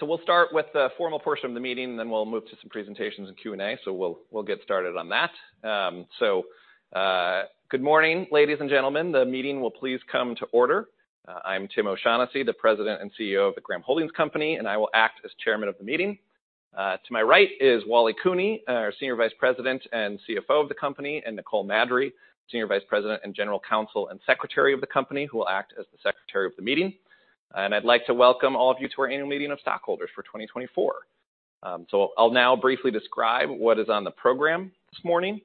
So we'll start with the formal portion of the meeting, and then we'll move to some presentations and Q&A. We'll get started on that. Good morning, ladies and gentlemen. The meeting will please come to order. I'm Tim O'Shaughnessy, the President and CEO of the Graham Holdings Company, and I will act as chairman of the meeting. To my right is Wallace Cooney, our Senior Vice President and CFO of the company, and Nicole Maddrey, Senior Vice President, General Counsel, and Secretary of the company, who will act as the secretary of the meeting. I'd like to welcome all of you to our annual meeting of stockholders for 2024. So, I'll now briefly describe what is on the program this morning.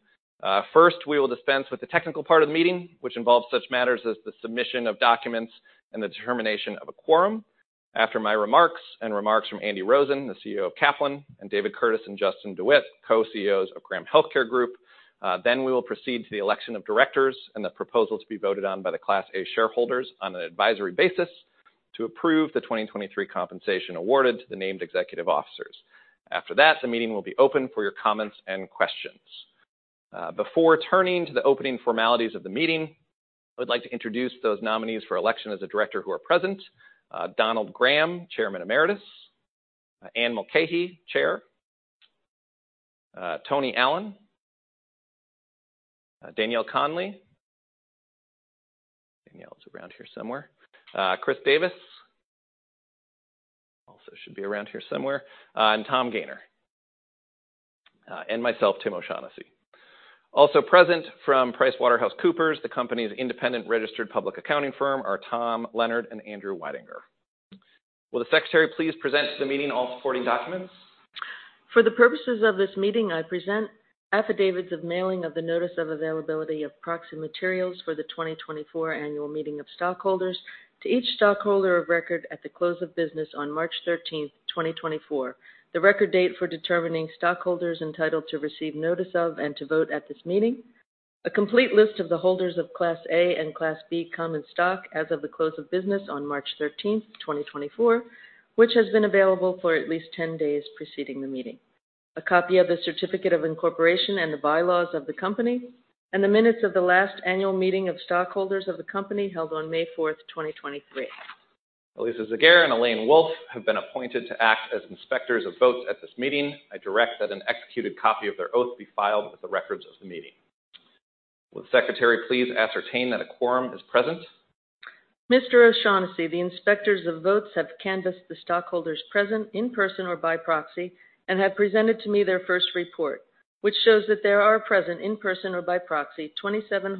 First, we will dispense with the technical part of the meeting, which involves such matters as the submission of documents and the determination of a quorum. After my remarks and remarks from Andy Rosen, the CEO of Kaplan, and David Curtis and Justin DeWitte, Co-CEOs of Graham Healthcare Group, then we will proceed to the election of directors and the proposals to be voted on by the Class A shareholders on an advisory basis to approve the 2023 compensation awarded to the named executive officers. After that, the meeting will be open for your comments and questions. Before turning to the opening formalities of the meeting, I'd like to introduce those nominees for election as a director who are present. Donald Graham, Chairman Emeritus, Anne Mulcahy, Chair, Tony Allen, Danielle Conley. Danielle is around here somewhere. Chris Davis, also should be around here somewhere, and Tom Gayner, and myself, Tim O'Shaughnessy. Also present from PricewaterhouseCoopers, the company's independent registered public accounting firm, are Tom Leonard and Andrew Weidinger. Will the secretary please present to the meeting all supporting documents? For the purposes of this meeting, I present affidavits of mailing of the notice of availability of proxy materials for the 2024 annual meeting of stockholders to each stockholder of record at the close of business on March 13th, 2024. The record date for determining stockholders entitled to receive notice of and to vote at this meeting, a complete list of the holders of Class A and Class B common stock as of the close of business on March 13th, 2024, which has been available for at least 10 days preceding the meeting, a copy of the certificate of incorporation and the bylaws of the company, and the minutes of the last annual meeting of stockholders of the company held on May 4th, 2023. Elisa Zegarra and Elaine Wolff have been appointed to act as inspectors of votes at this meeting. I direct that an executed copy of their oath be filed with the records of the meeting. Will the secretary please ascertain that a quorum is present? Mr. O'Shaughnessy, the inspectors of votes have canvassed the stockholders present, in person or by proxy, and have presented to me their first report, which shows that there are present, in person or by proxy, 27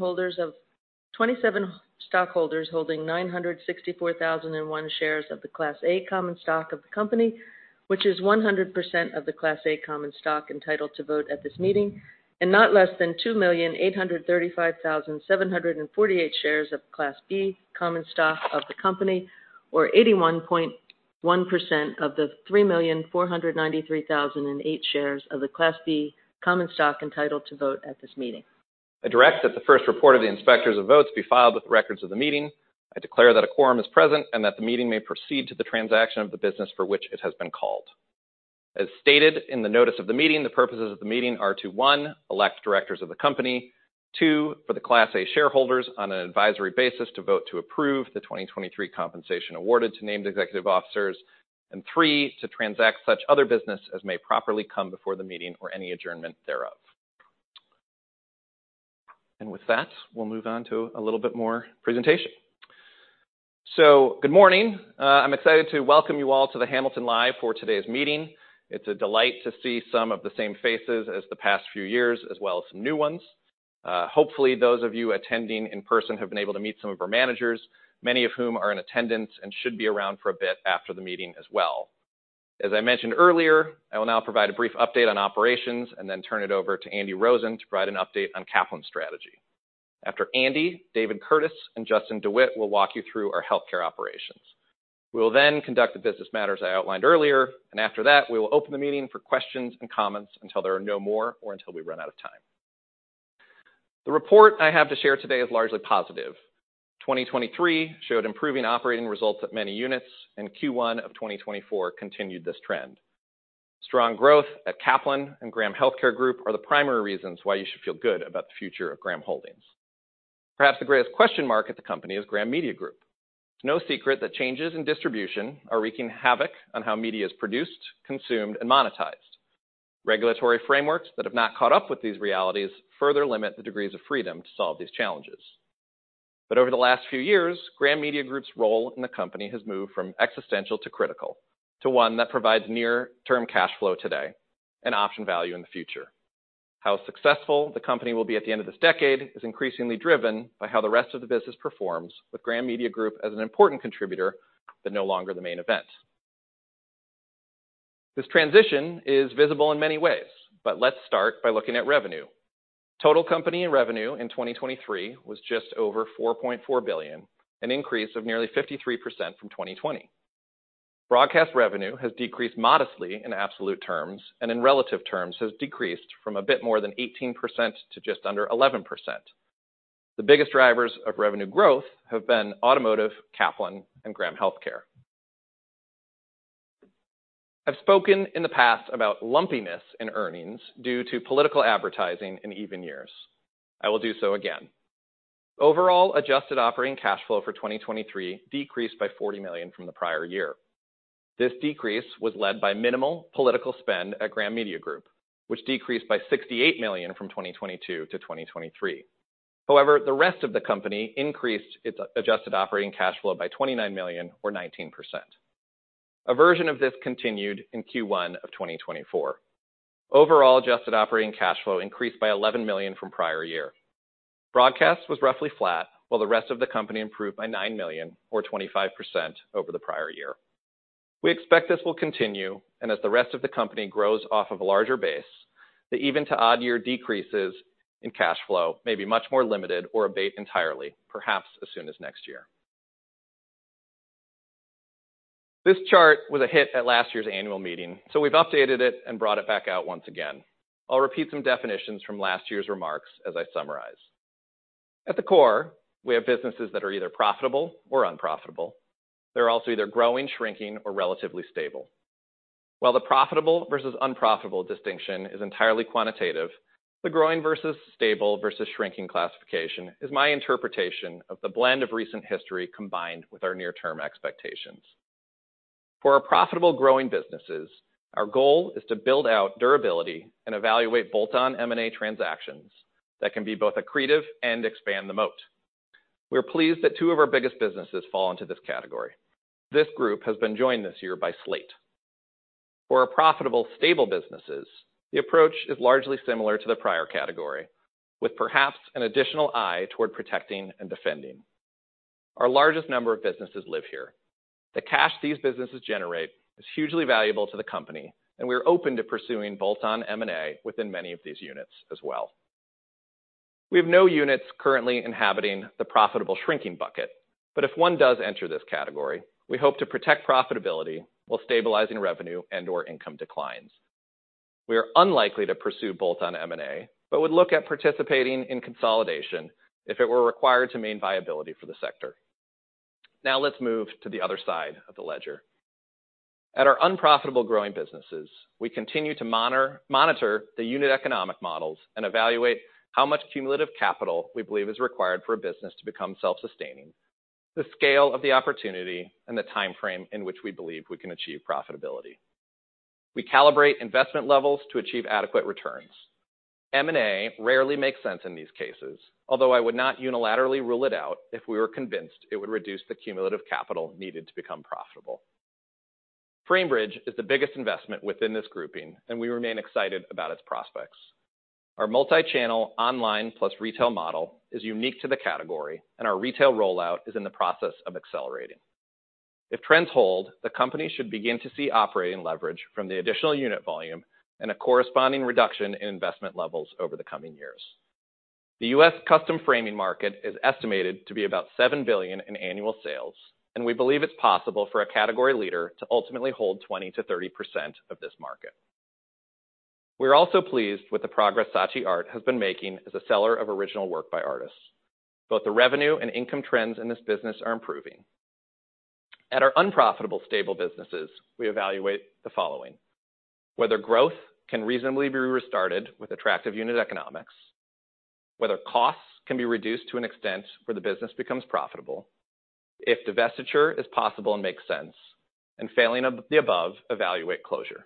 stockholders holding 964,001 shares of the Class A Common Stock of the company, which is 100% of the Class A Common Stock entitled to vote at this meeting, and not less than 2,835,748 shares of Class B Common Stock of the company, or 81.1% of the 3,493,008 shares of the Class B Common Stock entitled to vote at this meeting. I direct that the first report of the inspectors of votes be filed with the records of the meeting. I declare that a quorum is present, and that the meeting may proceed to the transaction of the business for which it has been called. As stated in the notice of the meeting, the purposes of the meeting are to, one, elect directors of the company; two, for the Class A shareholders on an advisory basis, to vote to approve the 2023 compensation awarded to named executive officers; and three, to transact such other business as may properly come before the meeting or any adjournment thereof. With that, we'll move on to a little bit more presentation. Good morning. I'm excited to welcome you all to The Hamilton Live for today's meeting. It's a delight to see some of the same faces as the past few years, as well as some new ones. Hopefully, those of you attending in person have been able to meet some of our managers, many of whom are in attendance and should be around for a bit after the meeting as well. As I mentioned earlier, I will now provide a brief update on operations and then turn it over to Andy Rosen to provide an update on Kaplan's strategy. After Andy, David Curtis and Justin DeWitte will walk you through our healthcare operations. We will then conduct the business matters I outlined earlier, and after that, we will open the meeting for questions and comments until there are no more or until we run out of time. The report I have to share today is largely positive. 2023 showed improving operating results at many units, and Q1 of 2024 continued this trend. Strong growth at Kaplan and Graham Healthcare Group are the primary reasons why you should feel good about the future of Graham Holdings. Perhaps the greatest question mark at the company is Graham Media Group. It's no secret that changes in distribution are wreaking havoc on how media is produced, consumed, and monetized. Regulatory frameworks that have not caught up with these realities further limit the degrees of freedom to solve these challenges. But over the last few years, Graham Media Group's role in the company has moved from existential to critical, to one that provides near-term cash flow today and option value in the future. How successful the company will be at the end of this decade is increasingly driven by how the rest of the business performs, with Graham Media Group as an important contributor, but no longer the main event. This transition is visible in many ways, but let's start by looking at revenue. Total company revenue in 2023 was just over $4.4 billion, an increase of nearly 53% from 2020. Broadcast revenue has decreased modestly in absolute terms, and in relative terms, has decreased from a bit more than 18% to just under 11%. The biggest drivers of revenue growth have been Automotive, Kaplan, and Graham Healthcare. I've spoken in the past about lumpiness in earnings due to political advertising in even years. I will do so again. Overall, adjusted operating cash flow for 2023 decreased by $40 million from the prior year. This decrease was led by minimal political spend at Graham Media Group, which decreased by $68 million from 2022 to 2023. However, the rest of the company increased its adjusted operating cash flow by $29 million or 19%. A version of this continued in Q1 of 2024. Overall, adjusted operating cash flow increased by $11 million from prior year. Broadcast was roughly flat, while the rest of the company improved by $9 million, or 25% over the prior year. We expect this will continue, and as the rest of the company grows off of a larger base, the even to odd year decreases in cash flow may be much more limited or abate entirely, perhaps as soon as next year. This chart was a hit at last year's annual meeting, so we've updated it and brought it back out once again. I'll repeat some definitions from last year's remarks as I summarize. At the core, we have businesses that are either profitable or unprofitable. They're also either growing, shrinking, or relatively stable. While the profitable versus unprofitable distinction is entirely quantitative, the growing versus stable versus shrinking classification is my interpretation of the blend of recent history combined with our near-term expectations. For our profitable growing businesses, our goal is to build out durability and evaluate bolt-on M&A transactions that can be both accretive and expand the moat. We're pleased that two of our biggest businesses fall into this category. This group has been joined this year by Slate. For our profitable, stable businesses, the approach is largely similar to the prior category, with perhaps an additional eye toward protecting and defending. Our largest number of businesses live here. The cash these businesses generate is hugely valuable to the company, and we are open to pursuing bolt-on M&A within many of these units as well. We have no units currently inhabiting the profitable shrinking bucket, but if one does enter this category, we hope to protect profitability while stabilizing revenue and/or income declines. We are unlikely to pursue bolt-on M&A, but would look at participating in consolidation if it were required to maintain viability for the sector. Now, let's move to the other side of the ledger. At our unprofitable growing businesses, we continue to monitor the unit economic models and evaluate how much cumulative capital we believe is required for a business to become self-sustaining, the scale of the opportunity, and the timeframe in which we believe we can achieve profitability. We calibrate investment levels to achieve adequate returns. M&A rarely makes sense in these cases, although I would not unilaterally rule it out if we were convinced it would reduce the cumulative capital needed to become profitable. Framebridge is the biggest investment within this grouping, and we remain excited about its prospects. Our multi-channel online plus retail model is unique to the category, and our retail rollout is in the process of accelerating. If trends hold, the company should begin to see operating leverage from the additional unit volume and a corresponding reduction in investment levels over the coming years. The U.S. custom framing market is estimated to be about $7 billion in annual sales, and we believe it's possible for a category leader to ultimately hold 20%-30% of this market. We're also pleased with the progress Saatchi Art has been making as a seller of original work by artists. Both the revenue and income trends in this business are improving. At our unprofitable, stable businesses, we evaluate the following: whether growth can reasonably be restarted with attractive unit economics, whether costs can be reduced to an extent where the business becomes profitable, if divestiture is possible and makes sense, and failing of the above, evaluate closure.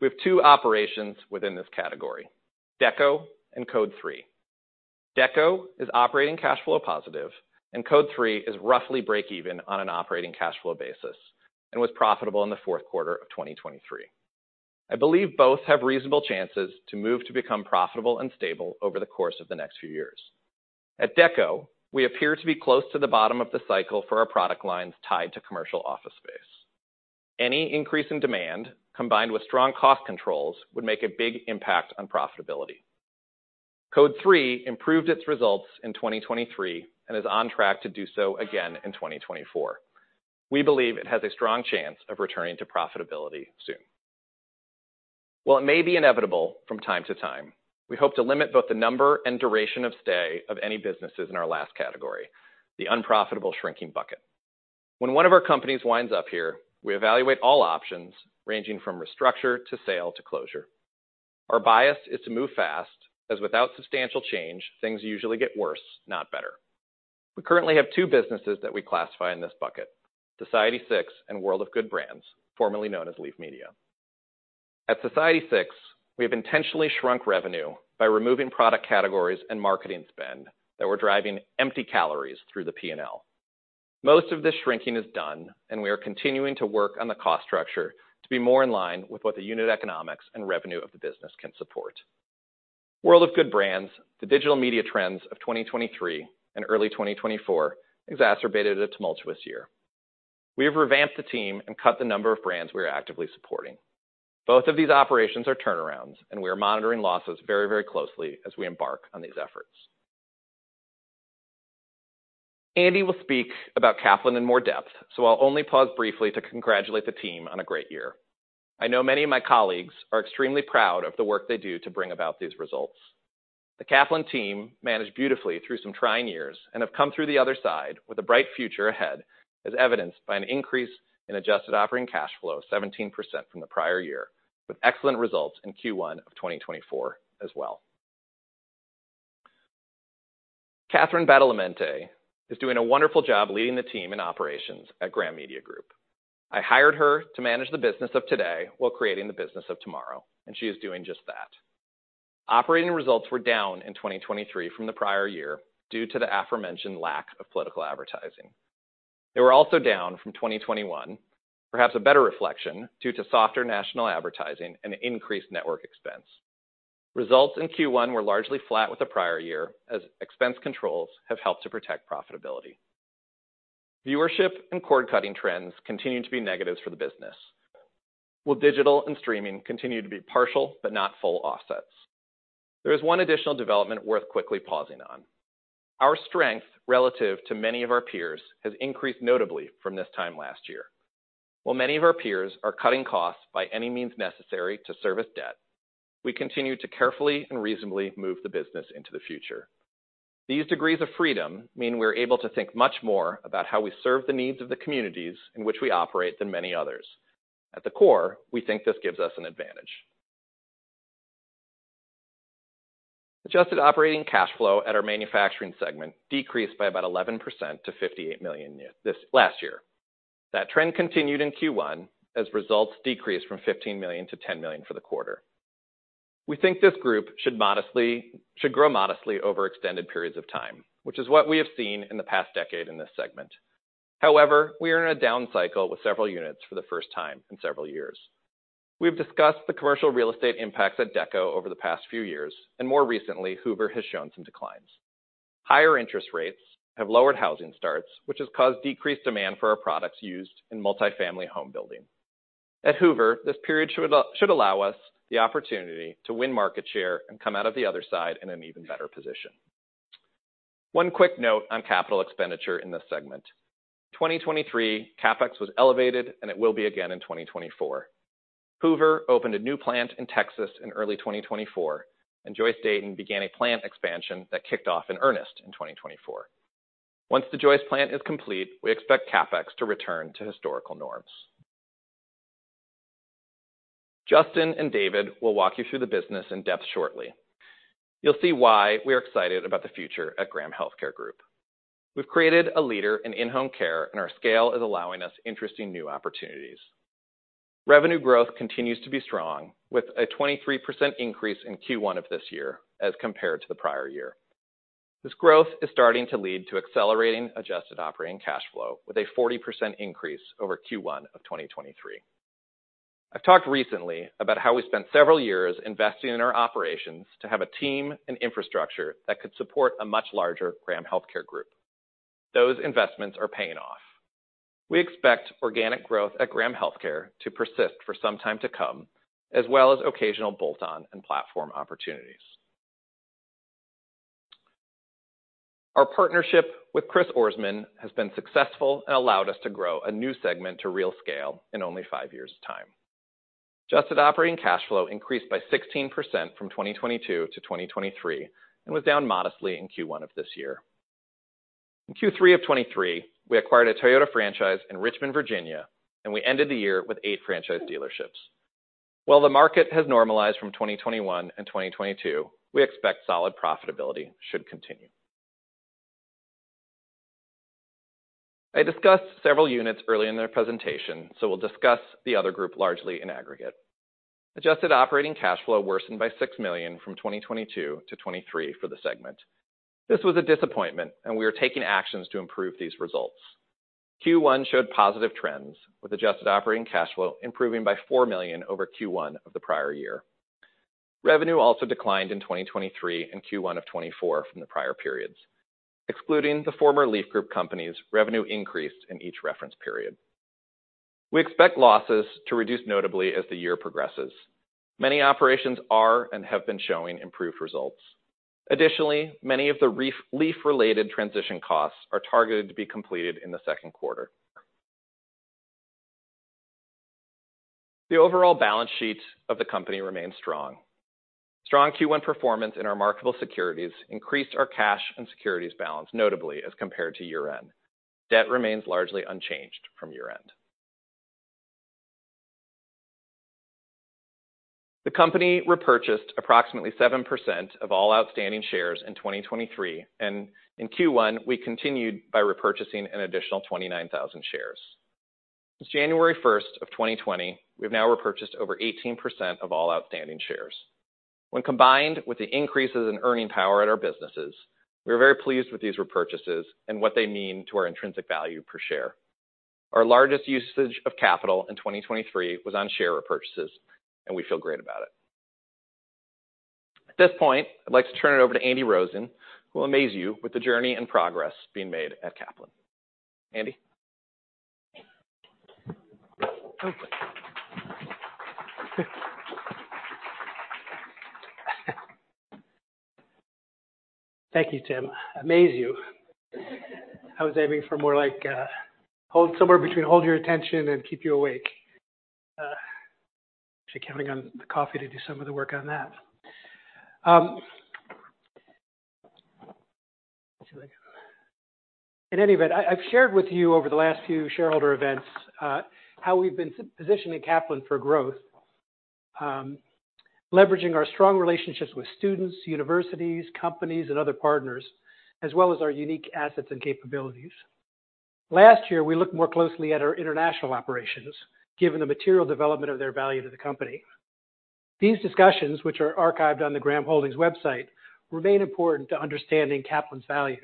We have two operations within this category, Dekko and Code3. Dekko is operating cash flow positive, and Code3 is roughly break even on an operating cash flow basis and was profitable in the fourth quarter of 2023. I believe both have reasonable chances to move to become profitable and stable over the course of the next few years. At Dekko, we appear to be close to the bottom of the cycle for our product lines tied to commercial office space. Any increase in demand, combined with strong cost controls, would make a big impact on profitability. Code3 improved its results in 2023 and is on track to do so again in 2024. We believe it has a strong chance of returning to profitability soon. While it may be inevitable from time to time, we hope to limit both the number and duration of stay of any businesses in our last category, the unprofitable shrinking bucket. When one of our companies winds up here, we evaluate all options, ranging from restructure, to sale, to closure. Our bias is to move fast, as without substantial change, things usually get worse, not better. We currently have two businesses that we classify in this bucket, Society6 and World of Good Brands, formerly known as Leaf Group. At Society6, we have intentionally shrunk revenue by removing product categories and marketing spend that we're driving empty calories through the P&L. Most of this shrinking is done, and we are continuing to work on the cost structure to be more in line with what the unit economics and revenue of the business can support. World of Good Brands, the digital media trends of 2023 and early 2024 exacerbated a tumultuous year. We have revamped the team and cut the number of brands we are actively supporting. Both of these operations are turnarounds, and we are monitoring losses very, very closely as we embark on these efforts. Andy will speak about Kaplan in more depth, so I'll only pause briefly to congratulate the team on a great year. I know many of my colleagues are extremely proud of the work they do to bring about these results. The Kaplan team managed beautifully through some trying years and have come through the other side with a bright future ahead, as evidenced by an increase in Adjusted Operating Cash Flow, 17% from the prior year... with excellent results in Q1 of 2024 as well. Catherine Badalamente is doing a wonderful job leading the team in operations at Graham Media Group. I hired her to manage the business of today while creating the business of tomorrow, and she is doing just that. Operating results were down in 2023 from the prior year due to the aforementioned lack of political advertising. They were also down from 2021, perhaps a better reflection, due to softer national advertising and increased network expense. Results in Q1 were largely flat with the prior year, as expense controls have helped to protect profitability. Viewership and cord-cutting trends continue to be negatives for the business, while digital and streaming continue to be partial, but not full offsets. There is one additional development worth quickly pausing on. Our strength relative to many of our peers has increased notably from this time last year. While many of our peers are cutting costs by any means necessary to service debt, we continue to carefully and reasonably move the business into the future. These degrees of freedom mean we're able to think much more about how we serve the needs of the communities in which we operate than many others. At the core, we think this gives us an advantage. Adjusted Operating Cash Flow at our manufacturing segment decreased by about 11% to $58 million this last year. That trend continued in Q1 as results decreased from $15 million to $10 million for the quarter. We think this group should grow modestly over extended periods of time, which is what we have seen in the past decade in this segment. However, we are in a down cycle with several units for the first time in several years. We've discussed the commercial real estate impacts at Deco over the past few years, and more recently, Hoover has shown some declines. Higher interest rates have lowered housing starts, which has caused decreased demand for our products used in multifamily home building. At Hoover, this period should allow us the opportunity to win market share and come out of the other side in an even better position. One quick note on capital expenditure in this segment. 2023 CapEx was elevated, and it will be again in 2024. Hoover opened a new plant in Texas in early 2024, and Joyce/Dayton began a plant expansion that kicked off in earnest in 2024. Once the Joyce/Dayton plant is complete, we expect CapEx to return to historical norms. Justin and David will walk you through the business in depth shortly. You'll see why we are excited about the future at Graham Healthcare Group. We've created a leader in in-home care, and our scale is allowing us interesting new opportunities. Revenue growth continues to be strong, with a 23% increase in Q1 of this year as compared to the prior year. This growth is starting to lead to accelerating adjusted operating cash flow with a 40% increase over Q1 of 2023. I've talked recently about how we spent several years investing in our operations to have a team and infrastructure that could support a much larger Graham Healthcare Group. Those investments are paying off. We expect organic growth at Graham Healthcare Group to persist for some time to come, as well as occasional bolt-on and platform opportunities. Our partnership with Chris Ourisman has been successful and allowed us to grow a new segment to real scale in only five years' time. Adjusted Operating Cash Flow increased by 16% from 2022 to 2023, and was down modestly in Q1 of this year. In Q3 of 2023, we acquired a Toyota franchise in Richmond, Virginia, and we ended the year with eight franchise dealerships. While the market has normalized from 2021 and 2022, we expect solid profitability should continue. I discussed several units early in their presentation, so we'll discuss the other group largely in aggregate. Adjusted Operating Cash Flow worsened by $6 million from 2022 to 2023 for the segment. This was a disappointment, and we are taking actions to improve these results. Q1 showed positive trends, with Adjusted Operating Cash Flow improving by $4 million over Q1 of the prior year. Revenue also declined in 2023 and Q1 of 2024 from the prior periods. Excluding the former Leaf Group companies, revenue increased in each reference period. We expect losses to reduce notably as the year progresses. Many operations are and have been showing improved results. Additionally, many of the Leaf-related transition costs are targeted to be completed in the second quarter. The overall balance sheet of the company remains strong. Strong Q1 performance in our marketable securities increased our cash and securities balance, notably as compared to year-end. Debt remains largely unchanged from year-end. The company repurchased approximately 7% of all outstanding shares in 2023, and in Q1, we continued by repurchasing an additional 29,000 shares. Since January 1st, 2020, we've now repurchased over 18% of all outstanding shares. When combined with the increases in earning power at our businesses, we are very pleased with these repurchases and what they mean to our intrinsic value per share. Our largest usage of capital in 2023 was on share repurchases, and we feel great about it. At this point, I'd like to turn it over to Andy Rosen, who will amaze you with the journey and progress being made at Kaplan. Andy? Thank you, Tim. Amaze you. I was aiming for more like, somewhere between hold your attention and keep you awake. Actually counting on the coffee to do some of the work on that.... In any event, I've shared with you over the last few shareholder events, how we've been positioning Kaplan for growth, leveraging our strong relationships with students, universities, companies, and other partners, as well as our unique assets and capabilities. Last year, we looked more closely at our international operations, given the material development of their value to the company. These discussions, which are archived on the Graham Holdings website, remain important to understanding Kaplan's value.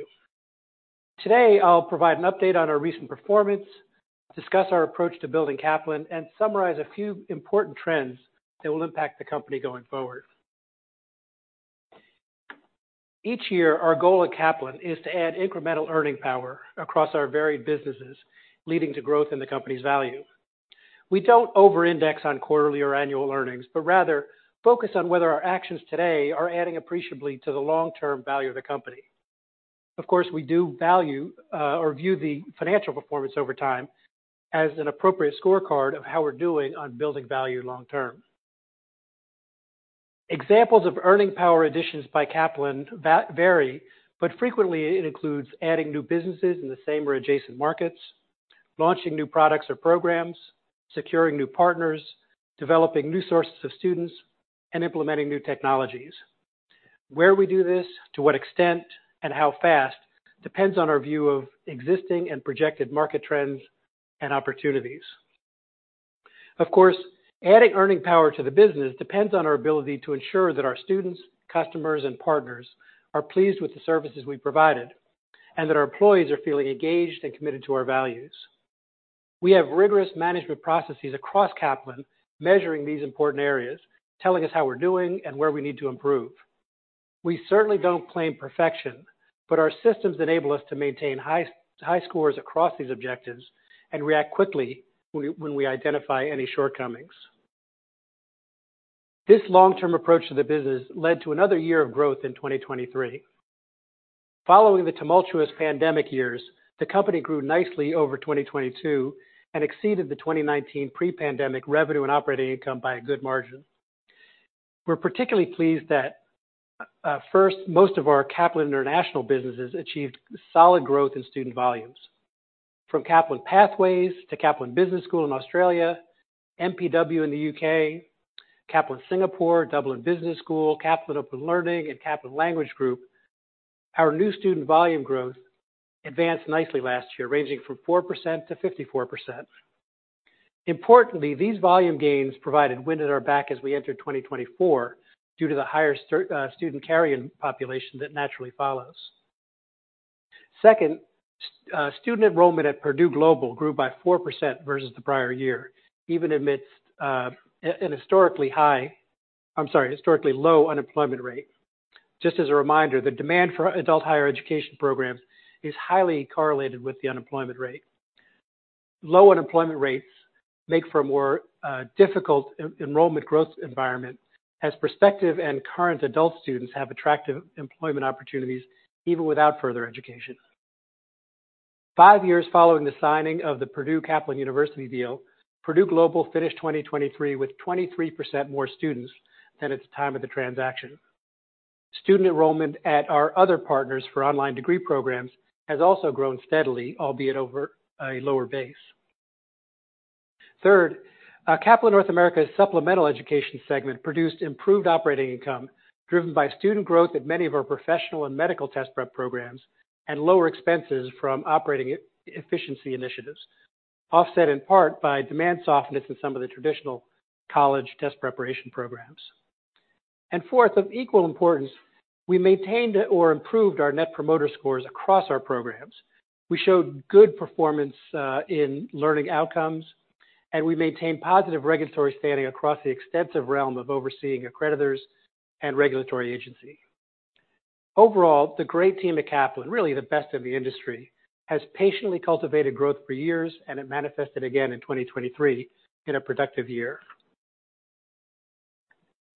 Today, I'll provide an update on our recent performance, discuss our approach to building Kaplan, and summarize a few important trends that will impact the company going forward. Each year, our goal at Kaplan is to add incremental earning power across our varied businesses, leading to growth in the company's value. We don't over-index on quarterly or annual earnings, but rather focus on whether our actions today are adding appreciably to the long-term value of the company. Of course, we do value, or view the financial performance over time as an appropriate scorecard of how we're doing on building value long term. Examples of earning power additions by Kaplan vary, but frequently, it includes adding new businesses in the same or adjacent markets, launching new products or programs, securing new partners, developing new sources of students, and implementing new technologies. Where we do this, to what extent, and how fast, depends on our view of existing and projected market trends and opportunities. Of course, adding earning power to the business depends on our ability to ensure that our students, customers, and partners are pleased with the services we provided, and that our employees are feeling engaged and committed to our values. We have rigorous management processes across Kaplan, measuring these important areas, telling us how we're doing and where we need to improve. We certainly don't claim perfection, but our systems enable us to maintain high scores across these objectives and react quickly when we identify any shortcomings. This long-term approach to the business led to another year of growth in 2023. Following the tumultuous pandemic years, the company grew nicely over 2022 and exceeded the 2019 pre-pandemic revenue and operating income by a good margin. We're particularly pleased that, first, most of our Kaplan International businesses achieved solid growth in student volumes. From Kaplan Pathways to Kaplan Business School in Australia, MPW in the U.K., Kaplan Singapore, Dublin Business School, Kaplan Open Learning, and Kaplan Language Group, our new student volume growth advanced nicely last year, ranging from 4%-54%. Importantly, these volume gains provided wind at our back as we entered 2024 due to the higher student carrying population that naturally follows. Second, student enrollment at Purdue Global grew by 4% versus the prior year, even amidst a historically high... I'm sorry, historically low unemployment rate. Just as a reminder, the demand for adult higher education programs is highly correlated with the unemployment rate. Low unemployment rates make for a more difficult enrollment growth environment, as prospective and current adult students have attractive employment opportunities even without further education. Five years following the signing of the Purdue Kaplan University deal, Purdue Global finished 2023 with 23% more students than at the time of the transaction. Student enrollment at our other partners for online degree programs has also grown steadily, albeit over a lower base. Third, Kaplan North America's supplemental education segment produced improved operating income, driven by student growth at many of our professional and medical test prep programs and lower expenses from operating efficiency initiatives, offset in part by demand softness in some of the traditional college test preparation programs. And fourth, of equal importance, we maintained or improved our Net Promoter Scores across our programs. We showed good performance in learning outcomes, and we maintained positive regulatory standing across the extensive realm of overseeing accreditors and regulatory agency. Overall, the great team at Kaplan, really the best in the industry, has patiently cultivated growth for years, and it manifested again in 2023 in a productive year.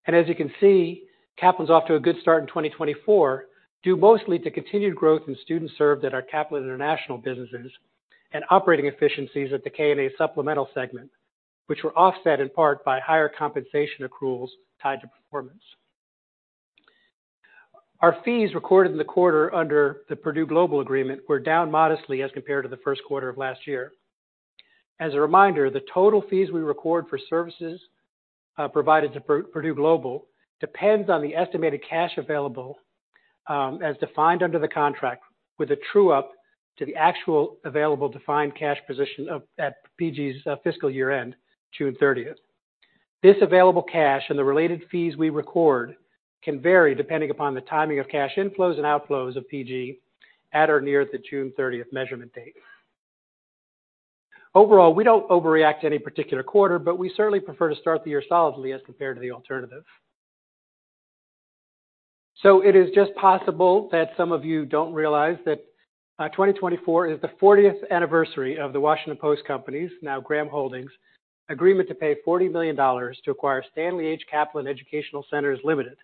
As you can see, Kaplan's off to a good start in 2024, due mostly to continued growth in students served at our Kaplan international businesses and operating efficiencies at the K-12 supplemental segment, which were offset in part by higher compensation accruals tied to performance. Our fees recorded in the quarter under the Purdue Global agreement were down modestly as compared to the first quarter of last year. As a reminder, the total fees we record for services provided to Purdue Global depends on the estimated cash available, as defined under the contract, with a true-up to the actual available defined cash position at PG's fiscal year end, June 30th. This available cash and the related fees we record can vary depending upon the timing of cash inflows and outflows of PG at or near the June 30th measurement date. Overall, we don't overreact to any particular quarter, but we certainly prefer to start the year solidly as compared to the alternative. So it is just possible that some of you don't realize that, 2024 is the 40th anniversary of the Washington Post Company's, now Graham Holdings, agreement to pay $40 million to acquire Stanley H. Kaplan Educational Centers Limited,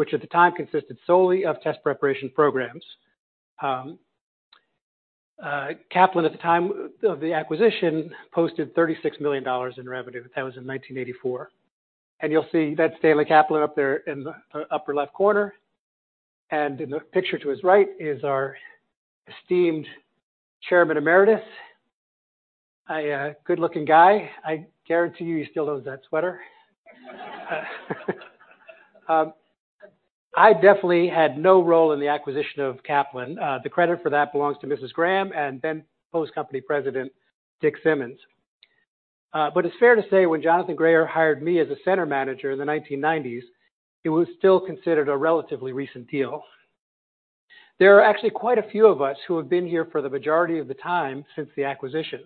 which at the time consisted solely of test preparation programs. Kaplan at the time of the acquisition, posted $36 million in revenue. That was in 1984, and you'll see that's Stanley Kaplan up there in the upper left corner. And in the picture to his right is our esteemed chairman emeritus. A good-looking guy. I guarantee you he still owns that sweater. I definitely had no role in the acquisition of Kaplan. The credit for that belongs to Mrs. Graham and then Post Company President, Dick Simmons. But it's fair to say, when Jonathan Grayer hired me as a center manager in the 1990s, it was still considered a relatively recent deal. There are actually quite a few of us who have been here for the majority of the time since the acquisition.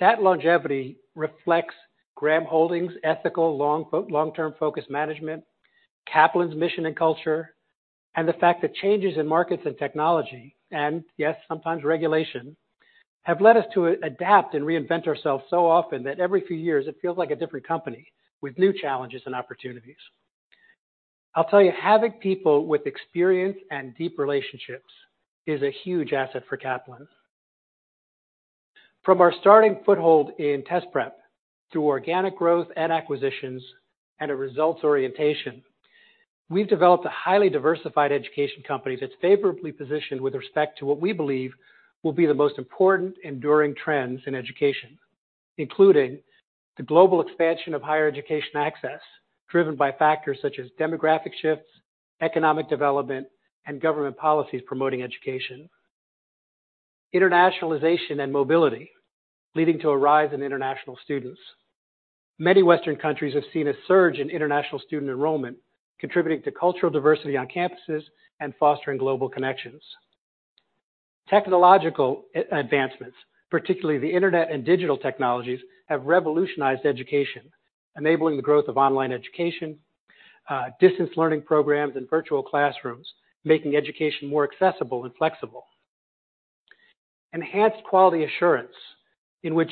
That longevity reflects Graham Holdings' ethical, long-term focus management, Kaplan's mission and culture, and the fact that changes in markets and technology, and yes, sometimes regulation, have led us to adapt and reinvent ourselves so often that every few years it feels like a different company, with new challenges and opportunities. I'll tell you, having people with experience and deep relationships is a huge asset for Kaplan. From our starting foothold in test prep to organic growth and acquisitions and a results orientation, we've developed a highly diversified education company that's favorably positioned with respect to what we believe will be the most important enduring trends in education. Including the global expansion of higher education access, driven by factors such as demographic shifts, economic development, and government policies promoting education. Internationalization and mobility, leading to a rise in international students. Many western countries have seen a surge in international student enrollment, contributing to cultural diversity on campuses and fostering global connections. Technological advancements, particularly the internet and digital technologies, have revolutionized education, enabling the growth of online education, distance learning programs and virtual classrooms, making education more accessible and flexible. Enhanced quality assurance, in which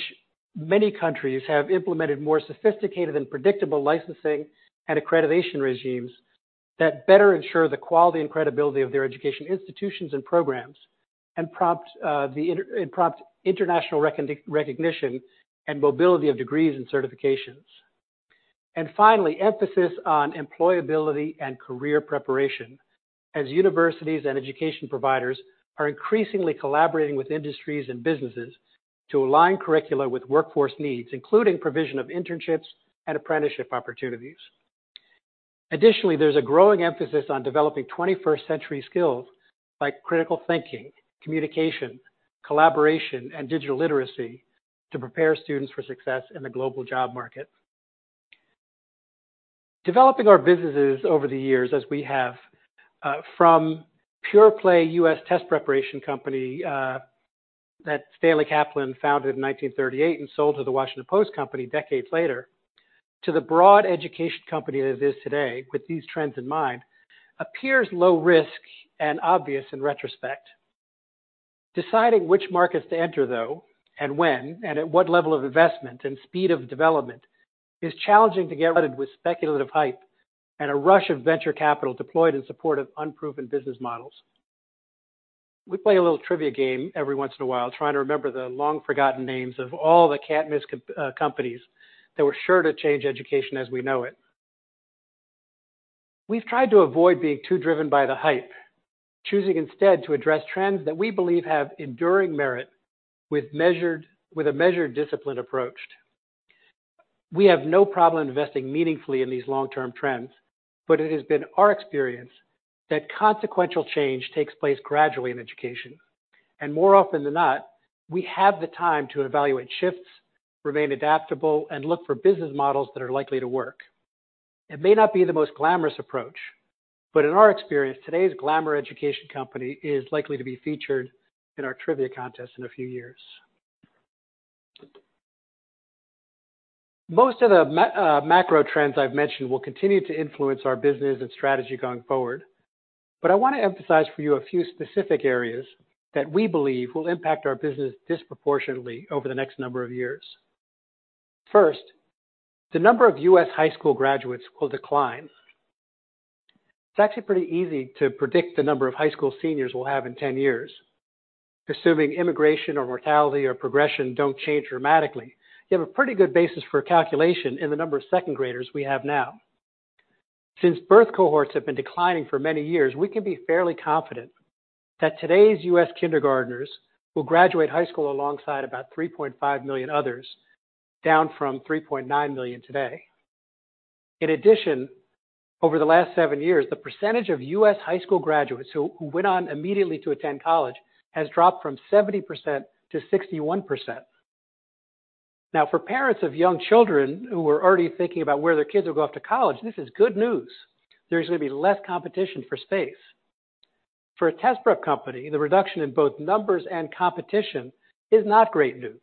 many countries have implemented more sophisticated and predictable licensing and accreditation regimes that better ensure the quality and credibility of their education institutions and programs, and prompt international recognition and mobility of degrees and certifications. And finally, emphasis on employability and career preparation, as universities and education providers are increasingly collaborating with industries and businesses to align curricula with workforce needs, including provision of internships and apprenticeship opportunities. Additionally, there's a growing emphasis on developing 21st century skills like critical thinking, communication, collaboration, and digital literacy to prepare students for success in the global job market. Developing our businesses over the years as we have, from pure play U.S. test preparation company, that Stanley Kaplan founded in 1938 and sold to the Washington Post Company decades later, to the broad education company that it is today, with these trends in mind, appears low risk and obvious in retrospect. Deciding which markets to enter, though, and when, and at what level of investment and speed of development, is challenging to get rid of with speculative hype and a rush of venture capital deployed in support of unproven business models. We play a little trivia game every once in a while, trying to remember the long-forgotten names of all the can't-miss com- companies that were sure to change education as we know it. We've tried to avoid being too driven by the hype, choosing instead to address trends that we believe have enduring merit with a measured discipline approach. We have no problem investing meaningfully in these long-term trends, but it has been our experience that consequential change takes place gradually in education, and more often than not, we have the time to evaluate shifts, remain adaptable, and look for business models that are likely to work. It may not be the most glamorous approach, but in our experience, today's glamour education company is likely to be featured in our trivia contest in a few years. Most of the macro trends I've mentioned will continue to influence our business and strategy going forward. But I want to emphasize for you a few specific areas that we believe will impact our business disproportionately over the next number of years. First, the number of U.S. high school graduates will decline. It's actually pretty easy to predict the number of high school seniors we'll have in 10 years. Assuming immigration or mortality or progression don't change dramatically, you have a pretty good basis for calculation in the number of second graders we have now. Since birth cohorts have been declining for many years, we can be fairly confident that today's U.S. kindergartners will graduate high school alongside about 3.5 million others, down from 3.9 million today. In addition, over the last seven years, the percentage of U.S. high school graduates who went on immediately to attend college has dropped from 70% to 61%. Now, for parents of young children who are already thinking about where their kids will go off to college, this is good news. There's going to be less competition for space. For a test prep company, the reduction in both numbers and competition is not great news,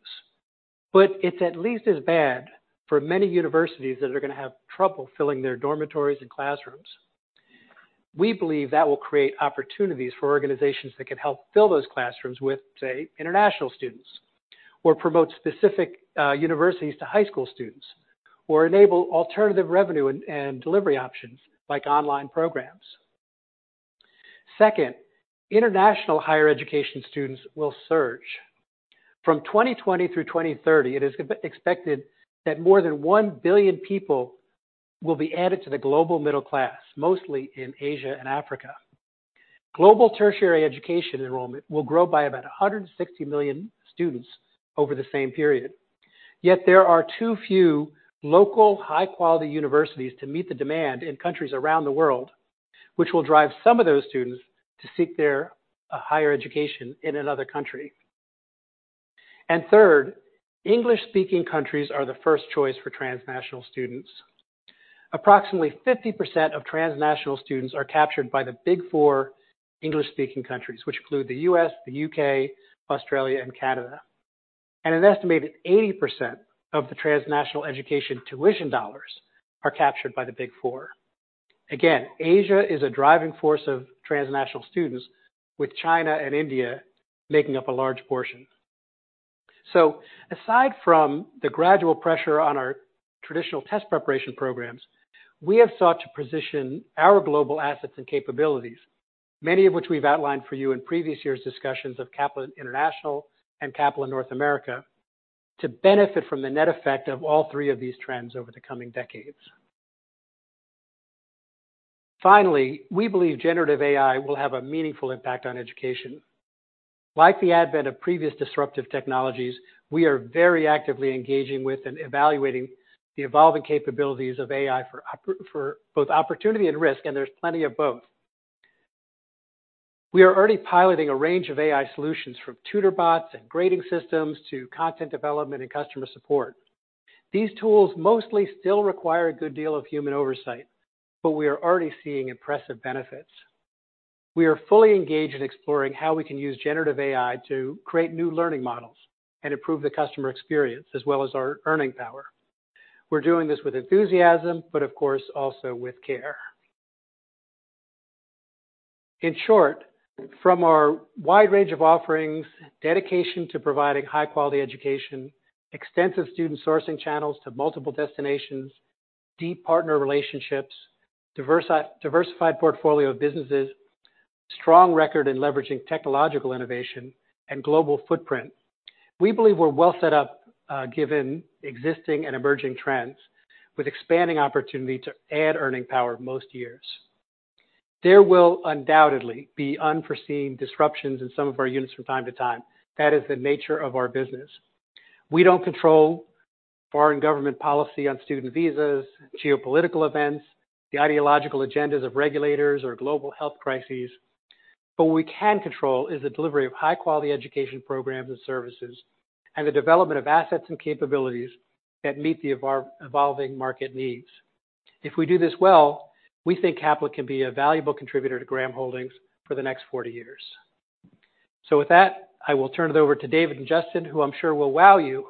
but it's at least as bad for many universities that are gonna have trouble filling their dormitories and classrooms. We believe that will create opportunities for organizations that can help fill those classrooms with, say, international students... or promote specific universities to high school students, or enable alternative revenue and delivery options like online programs. Second, international higher education students will surge. From 2020 through 2030, it is expected that more than 1 billion people will be added to the global middle class, mostly in Asia and Africa. Global tertiary education enrollment will grow by about 160 million students over the same period. Yet there are too few local high-quality universities to meet the demand in countries around the world, which will drive some of those students to seek their higher education in another country. And third, English-speaking countries are the first choice for transnational students. Approximately 50% of transnational students are captured by the Big Four English-speaking countries, which include the U.S., the U.K., Australia, and Canada. And an estimated 80% of the transnational education tuition dollars are captured by the Big Four. Again, Asia is a driving force of transnational students, with China and India making up a large portion. So aside from the gradual pressure on our traditional test preparation programs, we have sought to position our global assets and capabilities, many of which we've outlined for you in previous years' discussions of Kaplan International and Kaplan North America, to benefit from the net effect of all three of these trends over the coming decades. Finally, we believe generative AI will have a meaningful impact on education. Like the advent of previous disruptive technologies, we are very actively engaging with and evaluating the evolving capabilities of AI for both opportunity and risk, and there's plenty of both. We are already piloting a range of AI solutions, from tutor bots and grading systems to content development and customer support. These tools mostly still require a good deal of human oversight, but we are already seeing impressive benefits. We are fully engaged in exploring how we can use generative AI to create new learning models and improve the customer experience, as well as our earning power. We're doing this with enthusiasm, but of course, also with care. In short, from our wide range of offerings, dedication to providing high-quality education, extensive student sourcing channels to multiple destinations, deep partner relationships, diversified portfolio of businesses, strong record in leveraging technological innovation, and global footprint, we believe we're well set up, given existing and emerging trends, with expanding opportunity to add earning power most years. There will undoubtedly be unforeseen disruptions in some of our units from time to time. That is the nature of our business. We don't control foreign government policy on student visas, geopolitical events, the ideological agendas of regulators, or global health crises, but what we can control is the delivery of high-quality education programs and services, and the development of assets and capabilities that meet the ever-evolving market needs. If we do this well, we think Kaplan can be a valuable contributor to Graham Holdings for the next 40 years. With that, I will turn it over to David and Justin, who I'm sure will wow you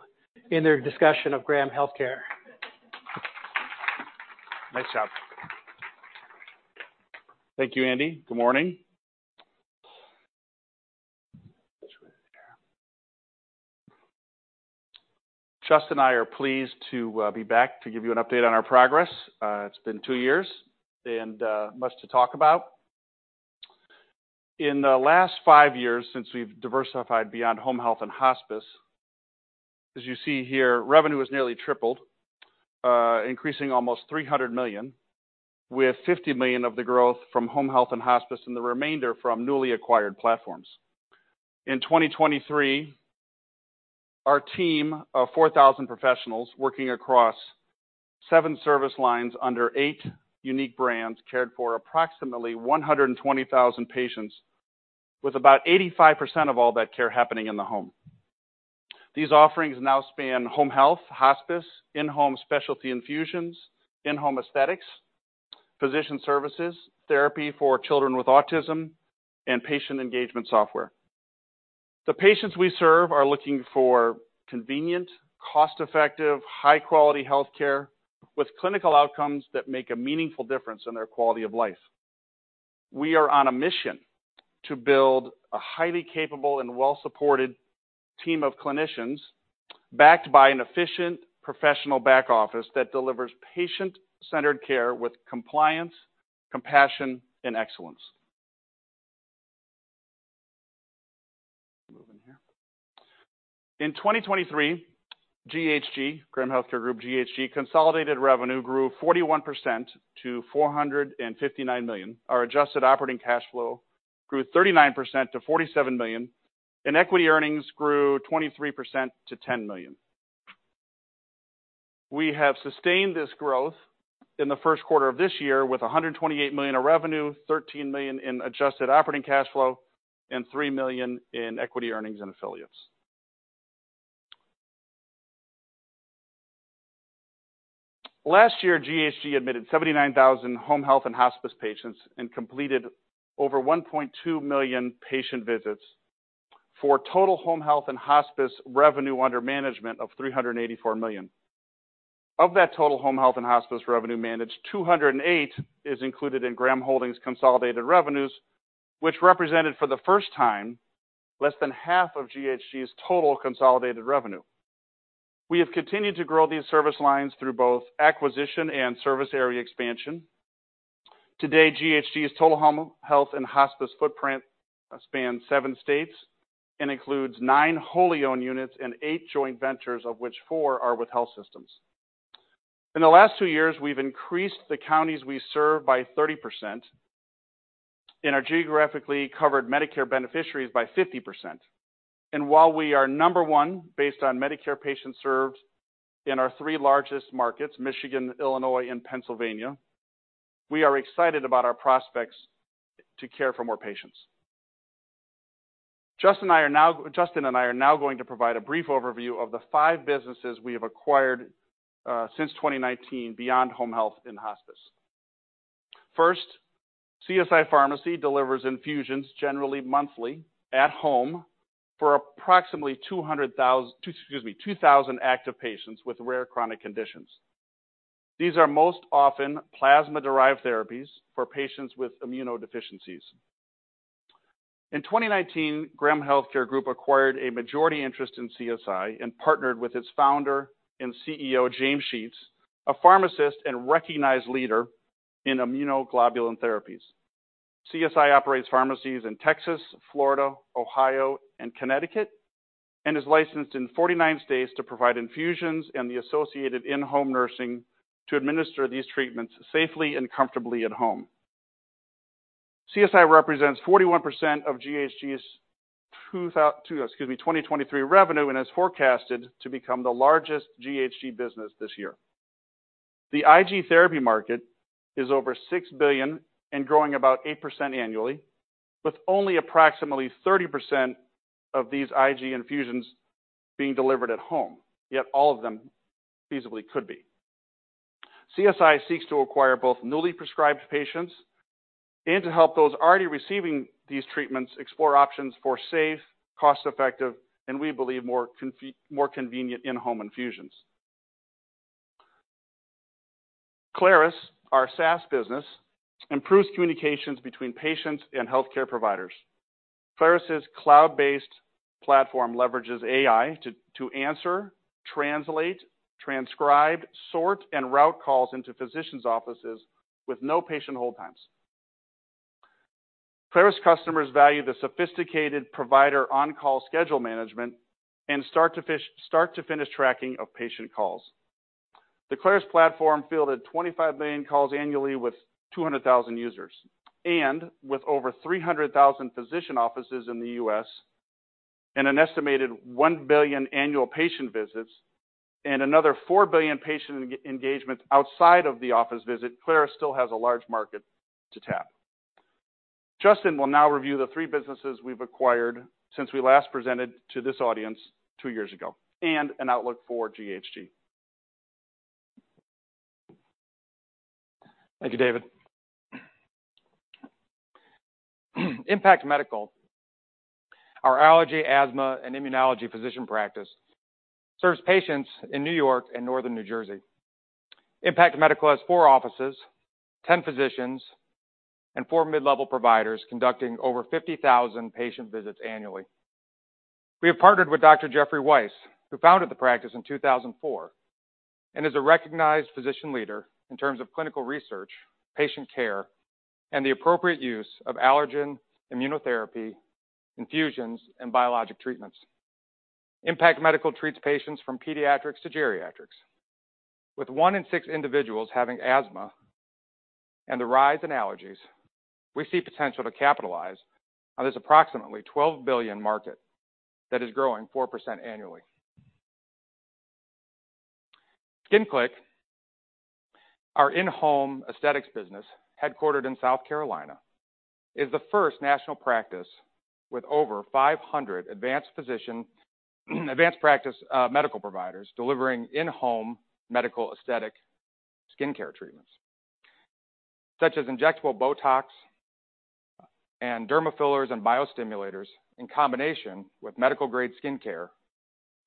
in their discussion of Graham Healthcare. Nice job. Thank you, Andy. Good morning. Justin and I are pleased to be back to give you an update on our progress. It's been two years and much to talk about. In the last five years, since we've diversified beyond home health and hospice, as you see here, revenue has nearly tripled, increasing almost $300 million, with $50 million of the growth from home health and hospice, and the remainder from newly acquired platforms. In 2023, our team of 4,000 professionals, working across 7 service lines under 8 unique brands, cared for approximately 120,000 patients, with about 85% of all that care happening in the home. These offerings now span home health, hospice, in-home specialty infusions, in-home aesthetics, physician services, therapy for children with autism, and patient engagement software. The patients we serve are looking for convenient, cost-effective, high-quality healthcare, with clinical outcomes that make a meaningful difference in their quality of life. We are on a mission to build a highly capable and well-supported team of clinicians, backed by an efficient professional back office that delivers patient-centered care with compliance, compassion, and excellence. Moving here. In 2023, GHG, Graham Healthcare Group, GHG, consolidated revenue grew 41% to $459 million. Our adjusted operating cash flow grew 39% to $47 million, and equity earnings grew 23% to $10 million. We have sustained this growth in the first quarter of this year with $128 million of revenue, $13 million in adjusted operating cash flow, and $3 million in equity earnings and affiliates. Last year, GHG admitted 79,000 home health and hospice patients and completed over 1.2 million patient visits for total home health and hospice revenue under management of $384 million. Of that total home health and hospice revenue managed, $208 million is included in Graham Holdings' consolidated revenues, which represented for the first time, less than half of GHG's total consolidated revenue. We have continued to grow these service lines through both acquisition and service area expansion. Today, GHG's total home health and hospice footprint spans seven states and includes nine wholly owned units and eight joint ventures, of which four are with health systems. In the last two years, we've increased the counties we serve by 30% and our geographically covered Medicare beneficiaries by 50%. And while we are number one, based on Medicare patients served in our three largest markets, Michigan, Illinois, and Pennsylvania, we are excited about our prospects to care for more patients. Justin and I are now going to provide a brief overview of the five businesses we have acquired since 2019, beyond home health and hospice. First, CSI Pharmacy delivers infusions, generally monthly, at home for approximately 200,000, excuse me, 2,000 active patients with rare chronic conditions. These are most often plasma-derived therapies for patients with immunodeficiencies. In 2019, Graham Healthcare Group acquired a majority interest in CSI and partnered with its founder and CEO, James Sheets, a pharmacist and recognized leader in immunoglobulin therapies. CSI operates pharmacies in Texas, Florida, Ohio, and Connecticut, and is licensed in 49 states to provide infusions and the associated in-home nursing to administer these treatments safely and comfortably at home. CSI represents 41% of GHG's 2023 revenue and is forecasted to become the largest GHG business this year. The IG therapy market is over $6 billion and growing about 8% annually, with only approximately 30% of these IG infusions being delivered at home. Yet all of them feasibly could be. CSI seeks to acquire both newly prescribed patients and to help those already receiving these treatments explore options for safe, cost-effective, and we believe, more convenient in-home infusions. Clarus, our SaaS business, improves communications between patients and healthcare providers. Clarus' cloud-based platform leverages AI to answer, translate, transcribe, sort, and route calls into physicians' offices with no patient hold times. Clarus customers value the sophisticated provider on-call schedule management and start-to-finish tracking of patient calls. The Clarus platform fielded 25 million calls annually with 200,000 users, and with over 300,000 physician offices in the U.S., and an estimated 1 billion annual patient visits, and another 4 billion patient engagements outside of the office visit, Clarus still has a large market to tap. Justin will now review the three businesses we've acquired since we last presented to this audience two years ago, and an outlook for GHG. Thank you, David. Impact Medical, our allergy, asthma, and immunology physician practice, serves patients in New York and northern New Jersey. Impact Medical has four offices, 10 physicians, and four mid-level providers conducting over 50,000 patient visits annually. We have partnered with Dr. Jeffrey Weiss, who founded the practice in 2004, and is a recognized physician leader in terms of clinical research, patient care, and the appropriate use of allergen immunotherapy, infusions, and biologic treatments. Impact Medical treats patients from pediatrics to geriatrics. With 1 in 6 individuals having asthma and the rise in allergies, we see potential to capitalize on this approximately $12 billion market that is growing 4% annually. Skin Clique, our in-home aesthetics business, headquartered in South Carolina, is the first national practice with over 500 advanced physician, advanced practice, medical providers, delivering in-home medical aesthetic skincare treatments, such as injectable Botox and derma fillers and biostimulators, in combination with medical-grade skincare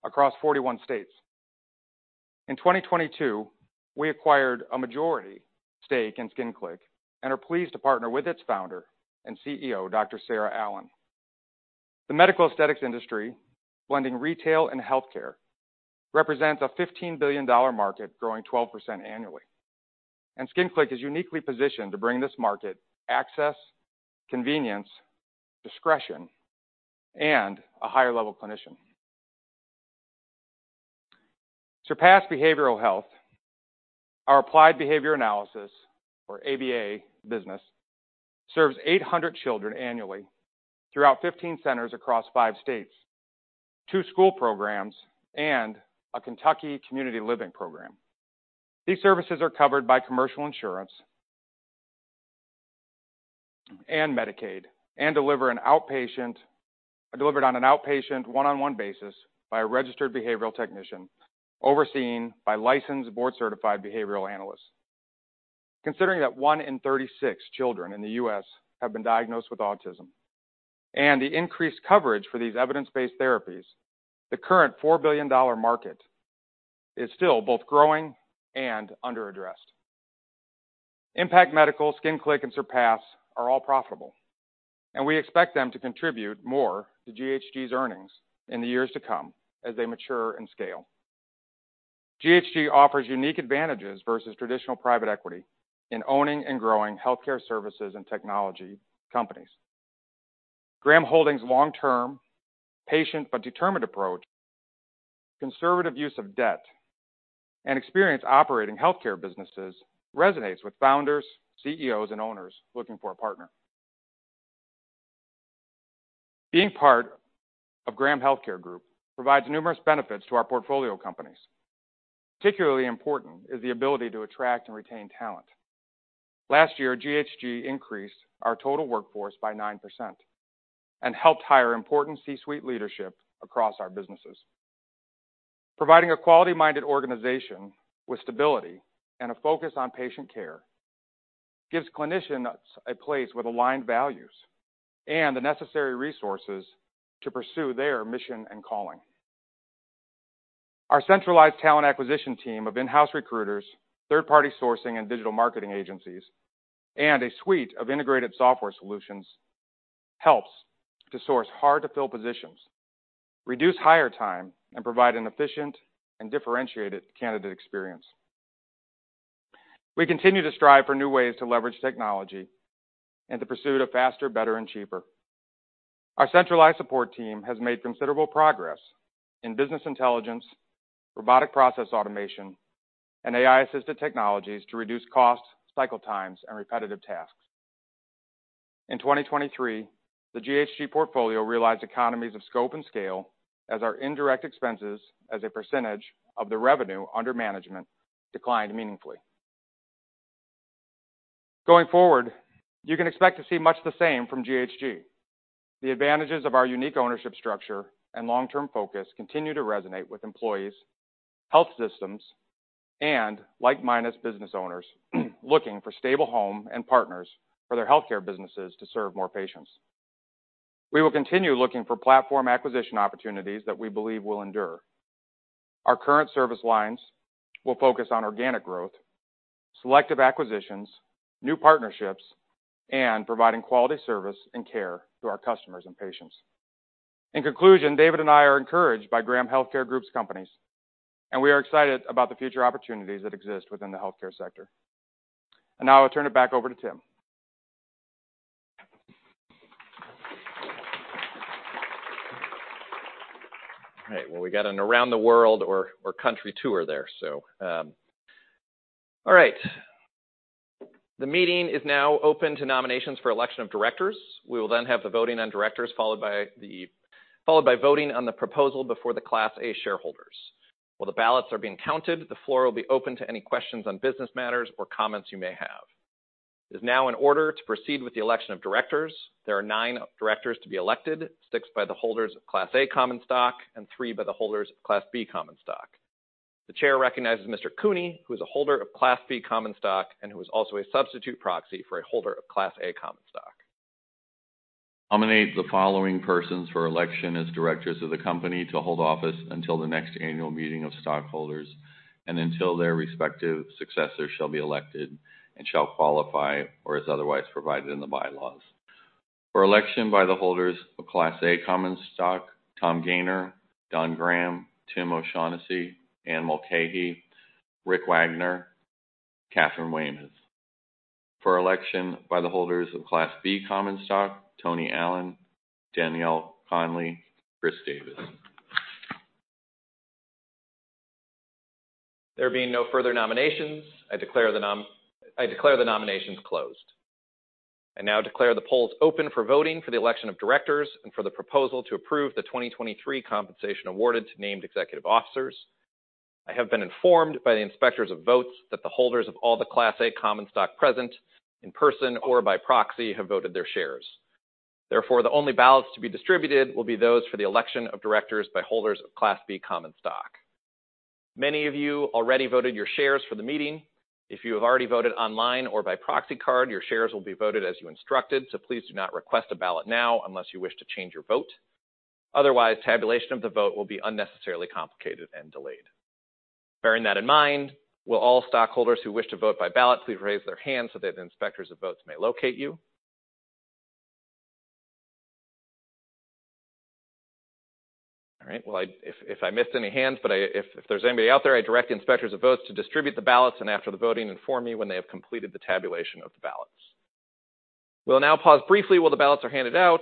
across 41 states. In 2022, we acquired a majority stake in Skin Clique and are pleased to partner with its founder and CEO, Dr. Sarah Allen. The medical aesthetics industry, blending retail and healthcare, represents a $15 billion market growing 12% annually, and Skin Clique is uniquely positioned to bring this market access, convenience, discretion, and a higher level clinician. Surpass Behavioral Health, our applied behavior analysis or ABA business, serves 800 children annually throughout 15 centers across five states, two school programs, and a Kentucky community living program. These services are covered by commercial insurance and Medicaid, and are delivered on an outpatient, one-on-one basis by a registered behavioral technician, overseen by licensed board-certified behavioral analysts. Considering that one in 36 children in the U.S. have been diagnosed with autism, and the increased coverage for these evidence-based therapies, the current $4 billion market is still both growing and under-addressed. Impact Medical, Skin Clique, and Surpass are all profitable, and we expect them to contribute more to GHG's earnings in the years to come as they mature and scale. GHG offers unique advantages versus traditional private equity in owning and growing healthcare services and technology companies. Graham Holdings' long-term, patient, but determined approach, conservative use of debt, and experience operating healthcare businesses resonates with founders, CEOs, and owners looking for a partner. Being part of Graham Healthcare Group provides numerous benefits to our portfolio companies. Particularly important is the ability to attract and retain talent. Last year, GHG increased our total workforce by 9% and helped hire important C-suite leadership across our businesses. Providing a quality-minded organization with stability and a focus on patient care, gives clinicians a place with aligned values and the necessary resources to pursue their mission and calling. Our centralized talent acquisition team of in-house recruiters, third-party sourcing, and digital marketing agencies, and a suite of integrated software solutions, helps to source hard-to-fill positions, reduce hire time, and provide an efficient and differentiated candidate experience. We continue to strive for new ways to leverage technology and to pursue it faster, better, and cheaper. Our centralized support team has made considerable progress in business intelligence, robotic process automation, and AI-assisted technologies to reduce costs, cycle times, and repetitive tasks. In 2023, the GHG portfolio realized economies of scope and scale as our indirect expenses as a percentage of the revenue under management declined meaningfully. Going forward, you can expect to see much the same from GHG. The advantages of our unique ownership structure and long-term focus continue to resonate with employees, health systems, and like-minded business owners looking for stable home and partners for their healthcare businesses to serve more patients. We will continue looking for platform acquisition opportunities that we believe will endure. Our current service lines will focus on organic growth, selective acquisitions, new partnerships, and providing quality service and care to our customers and patients. In conclusion, David and I are encouraged by Graham Healthcare Group's companies, and we are excited about the future opportunities that exist within the healthcare sector. Now I'll turn it back over to Tim. All right, well, we got an around the world or country tour there, so. All right. The meeting is now open to nominations for election of directors. We will then have the voting on directors, followed by the, followed by voting on the proposal before the Class A shareholders. While the ballots are being counted, the floor will be open to any questions on business matters or comments you may have. It is now in order to proceed with the election of directors. There are nine directors to be elected, six by the holders of Class A common stock and three by the holders of Class B common stock. The chair recognizes Mr. Cooney, who is a holder of Class B common stock and who is also a substitute proxy for a holder of Class A common stock. Nominate the following persons for election as directors of the company to hold office until the next annual meeting of stockholders and until their respective successors shall be elected and shall qualify or as otherwise provided in the bylaws. For election by the holders of Class A common stock, Tom Gayner, Don Graham, Tim O'Shaughnessy, Anne Mulcahy, Rick Wagoner, Katharine Weymouth. For election by the holders of Class B common stock, Tony Allen, Danielle Conley, Chris Davis. There being no further nominations, I declare the nominations closed. I now declare the polls open for voting for the election of directors and for the proposal to approve the 2023 compensation awarded to named executive officers. I have been informed by the inspectors of votes that the holders of all the Class A common stock present, in person or by proxy, have voted their shares. Therefore, the only ballots to be distributed will be those for the election of directors by holders of Class B common stock. Many of you already voted your shares for the meeting. If you have already voted online or by proxy card, your shares will be voted as you instructed, so please do not request a ballot now unless you wish to change your vote. Otherwise, tabulation of the vote will be unnecessarily complicated and delayed. Bearing that in mind, will all stockholders who wish to vote by ballot please raise their hand so that the inspectors of votes may locate you? All right. Well, if I missed any hands, but if there's anybody out there, I direct the inspectors of votes to distribute the ballots and after the voting, inform me when they have completed the tabulation of the ballots. We'll now pause briefly while the ballots are handed out,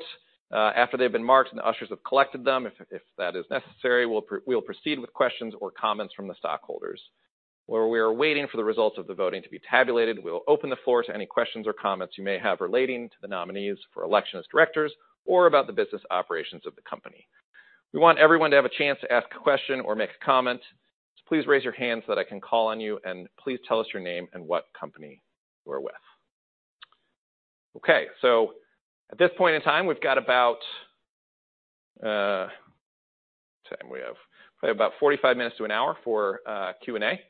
after they've been marked and the ushers have collected them. If that is necessary, we'll proceed with questions or comments from the stockholders. While we are waiting for the results of the voting to be tabulated, we will open the floor to any questions or comments you may have relating to the nominees for election as directors or about the business operations of the company. We want everyone to have a chance to ask a question or make a comment, so please raise your hand so that I can call on you, and please tell us your name and what company you are with. Okay, so at this point in time, we've got about probably about 45 minutes to an hour for Q&A.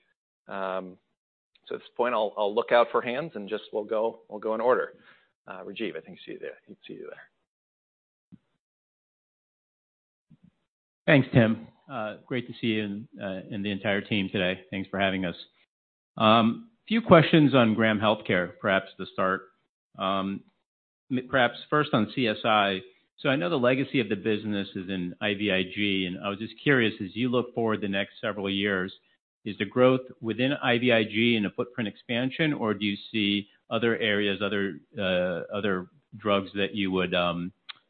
So at this point, I'll look out for hands and just we'll go, we'll go in order. Rajiv, I think I see you there. I can see you there. Thanks, Tim. Great to see you and the entire team today. Thanks for having us. Few questions on Graham Healthcare, perhaps to start. Perhaps first on CSI. So I know the legacy of the business is in IVIG, and I was just curious, as you look forward the next several years, is the growth within IVIG in a footprint expansion, or do you see other areas, other drugs that you would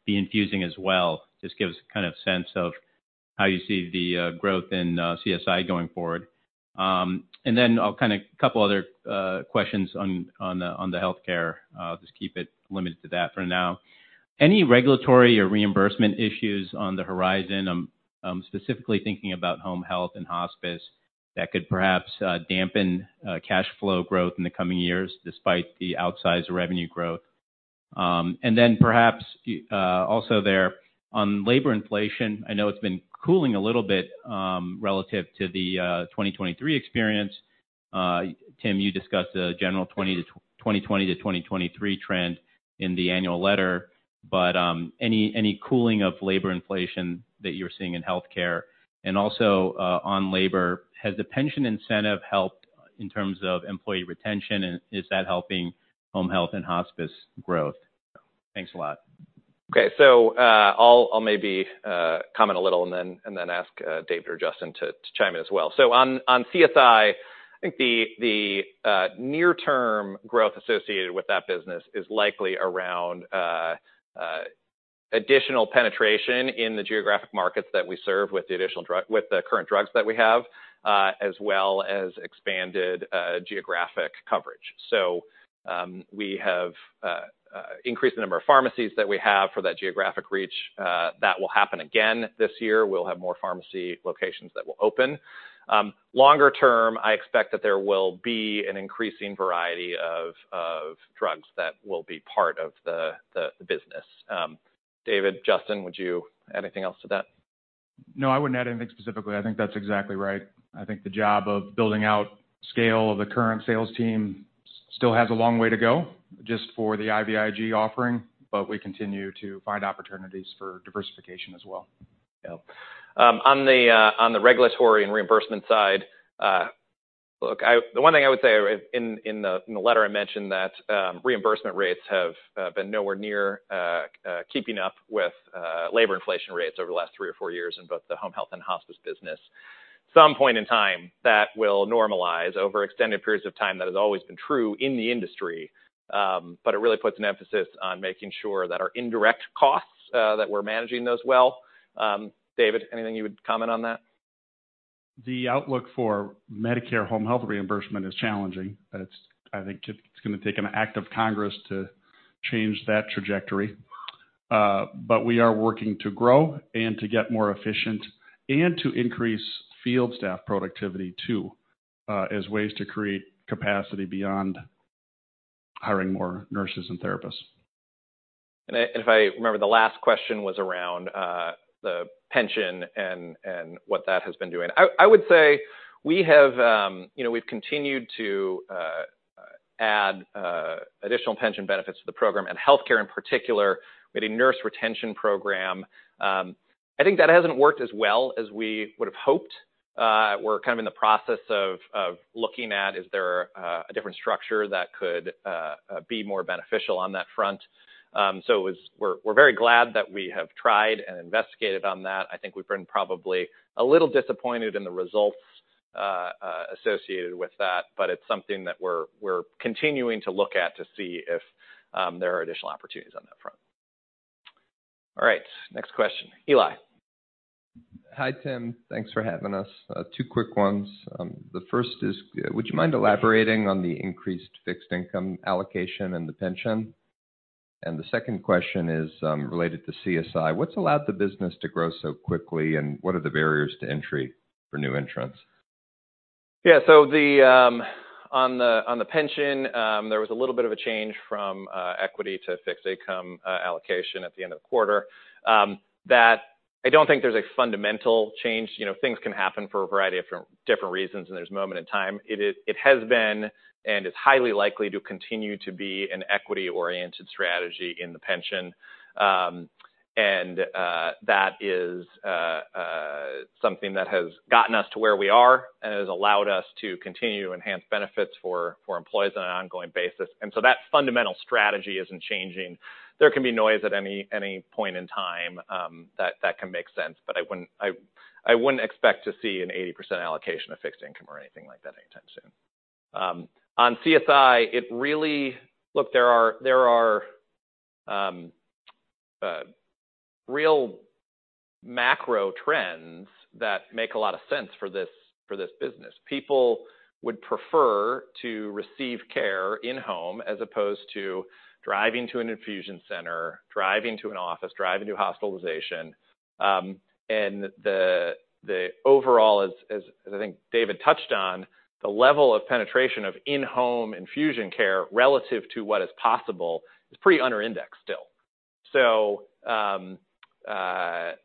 be infusing as well? Just give us kind of sense of how you see the growth in CSI going forward. And then I'll kinda couple other questions on the healthcare. I'll just keep it limited to that for now. Any regulatory or reimbursement issues on the horizon? I'm specifically thinking about home health and hospice that could perhaps dampen cash flow growth in the coming years despite the outsized revenue growth. And then perhaps also there on labor inflation, I know it's been cooling a little bit relative to the 2023 experience. Tim, you discussed the general 2020-2023 trend in the annual letter, any cooling of labor inflation that you're seeing in healthcare? And also on labor, has the pension incentive helped in terms of employee retention, and is that helping home health and hospice growth? Thanks a lot. Okay. So, I'll, I'll maybe comment a little and then, and then ask David or Justin to chime in as well. So on, on CSI, I think the near term growth associated with that business is likely around additional penetration in the geographic markets that we serve with the additional drug- with the current drugs that we have, as well as expanded geographic coverage. So, we have increased the number of pharmacies that we have for that geographic reach. That will happen again this year. We'll have more pharmacy locations that will open. Longer term, I expect that there will be an increasing variety of drugs that will be part of the business. David, Justin, would you add anything else to that? No, I wouldn't add anything specifically. I think that's exactly right. I think the job of building out scale of the current sales team still has a long way to go, just for the IVIG offering, but we continue to find opportunities for diversification as well. Yeah. On the regulatory and reimbursement side, look, I—the one thing I would say in the letter, I mentioned that reimbursement rates have been nowhere near keeping up with labor inflation rates over the last three or four years in both the home health and hospice business. Some point in time, that will normalize. Over extended periods of time, that has always been true in the industry, but it really puts an emphasis on making sure that our indirect costs that we're managing those well. David, anything you would comment on that? The outlook for Medicare home health reimbursement is challenging. That's... I think it's gonna take an act of Congress to change that trajectory. But we are working to grow and to get more efficient and to increase field staff productivity, too, as ways to create capacity beyond hiring more nurses and therapists. If I remember, the last question was around the pension and what that has been doing. I would say we have, you know, we've continued to add additional pension benefits to the program, and healthcare, in particular, we had a nurse retention program. I think that hasn't worked as well as we would have hoped. We're kind of in the process of looking at, is there a different structure that could be more beneficial on that front? So we're very glad that we have tried and investigated on that. I think we've been probably a little disappointed in the results associated with that, but it's something that we're continuing to look at to see if there are additional opportunities on that front. All right, next question, Eli? Hi, Tim. Thanks for having us. Two quick ones. The first is, would you mind elaborating on the increased fixed income allocation and the pension? And the second question is, related to CSI. What's allowed the business to grow so quickly, and what are the barriers to entry for new entrants? Yeah, so on the pension, there was a little bit of a change from equity to fixed income allocation at the end of the quarter. That I don't think there's a fundamental change. You know, things can happen for a variety of different reasons, and there's a moment in time. It has been, and it's highly likely to continue to be an equity-oriented strategy in the pension. And that is something that has gotten us to where we are and has allowed us to continue to enhance benefits for employees on an ongoing basis. And so that fundamental strategy isn't changing. There can be noise at any point in time that can make sense, but I wouldn't expect to see an 80% allocation of fixed income or anything like that anytime soon. On CSI, it really... Look, there are real macro trends that make a lot of sense for this business. People would prefer to receive care in-home as opposed to driving to an infusion center, driving to an office, driving to hospitalization, and the over-... as I think David touched on, the level of penetration of in-home infusion care relative to what is possible is pretty under indexed still. So, that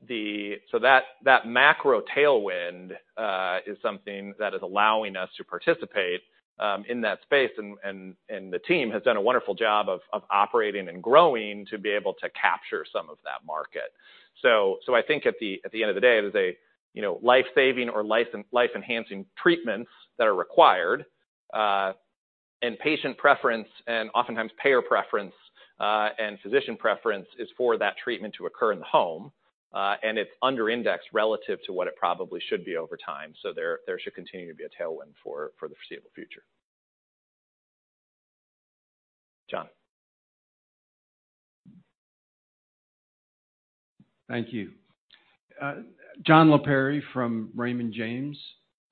macro tailwind is something that is allowing us to participate in that space, and the team has done a wonderful job of operating and growing to be able to capture some of that market. So, I think at the end of the day, it is, you know, life-saving or life-enhancing treatments that are required, and patient preference and oftentimes payer preference and physician preference is for that treatment to occur in the home, and it's under index relative to what it probably should be over time. So there should continue to be a tailwind for the foreseeable future. John? Thank you. John Lipari from Raymond James.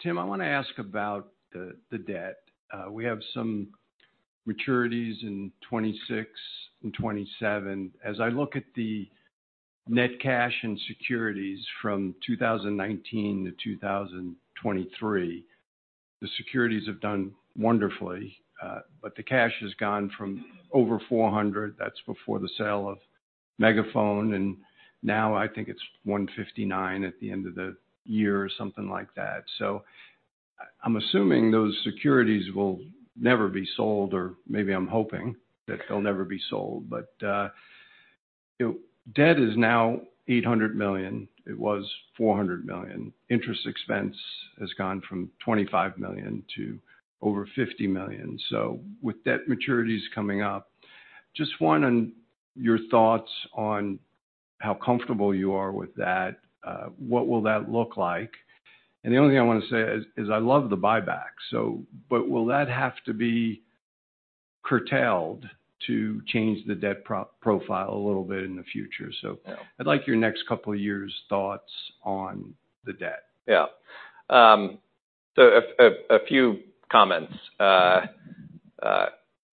Tim, I wanna ask about the debt. We have some maturities in 2026 and 2027. As I look at the net cash and securities from 2019 to 2023, the securities have done wonderfully, but the cash has gone from over $400 million, that's before the sale of Megaphone, and now I think it's $159 million at the end of the year or something like that. So I'm assuming those securities will never be sold, or maybe I'm hoping that they'll never be sold. But, you know, debt is now $800 million. It was $400 million. Interest expense has gone from $25 million to over $50 million. So with debt maturities coming up, just one, on your thoughts on how comfortable you are with that, what will that look like? The only thing I wanna say is I love the buyback, so, but will that have to be curtailed to change the debt profile a little bit in the future? So I'd like your next couple of years' thoughts on the debt. Yeah. So a few comments.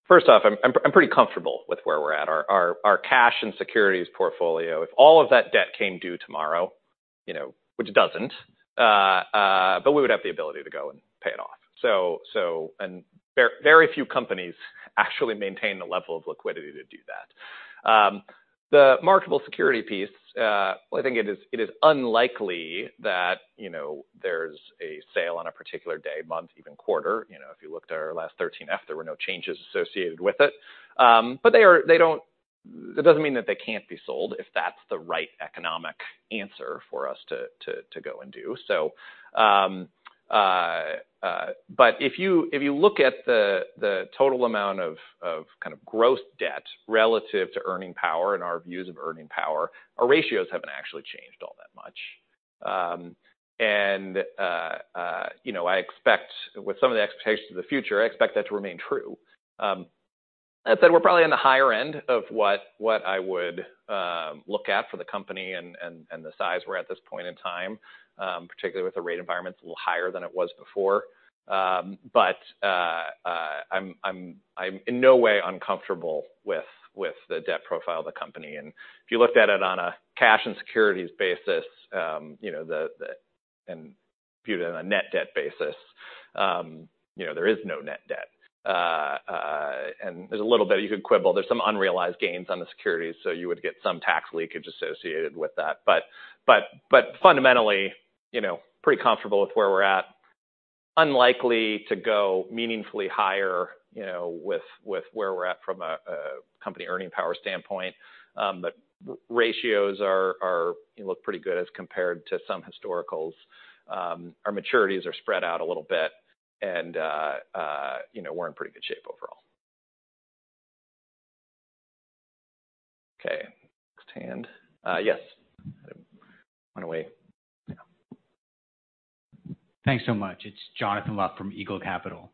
First off, I'm pretty comfortable with where we're at. Our cash and securities portfolio, if all of that debt came due tomorrow, you know, which it doesn't, but we would have the ability to go and pay it off. So, and very few companies actually maintain the level of liquidity to do that. The marketable security piece, I think it is unlikely that, you know, there's a sale on a particular day, month, even quarter. You know, if you looked at our last 13F, there were no changes associated with it. But they are—they don't—it doesn't mean that they can't be sold, if that's the right economic answer for us to go and do. But if you look at the total amount of kind of gross debt relative to earning power and our views of earning power, our ratios haven't actually changed all that much. And you know, I expect with some of the expectations of the future, I expect that to remain true. I'd say we're probably on the higher end of what I would look at for the company and the size we're at this point in time, particularly with the rate environment's a little higher than it was before. But I'm in no way uncomfortable with the debt profile of the company. And if you looked at it on a cash and securities basis, you know, and viewed it on a net debt basis, you know, there is no net debt. And there's a little bit you could quibble. There's some unrealized gains on the securities, so you would get some tax leakage associated with that. But fundamentally, you know, pretty comfortable with where we're at. Unlikely to go meaningfully higher, you know, with where we're at from a company earning power standpoint. But ratios are, you know, look pretty good as compared to some historicals. Our maturities are spread out a little bit and, you know, we're in pretty good shape overall. Okay, next hand. Yes, run away. Thanks so much. It's Jonathan Luft from Eagle Capital.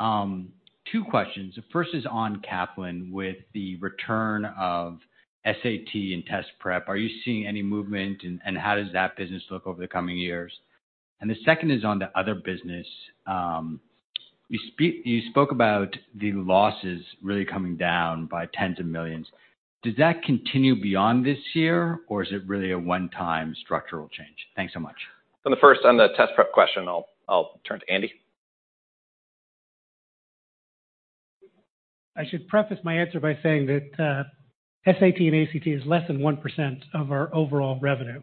Two questions. The first is on Kaplan. With the return of SAT and test prep, are you seeing any movement, and, and how does that business look over the coming years? The second is on the other business. You spoke about the losses really coming down by tens of millions. Does that continue beyond this year, or is it really a one-time structural change? Thanks so much. On the first, on the test prep question, I'll, I'll turn to Andy. I should preface my answer by saying that SAT and ACT is less than 1% of our overall revenue.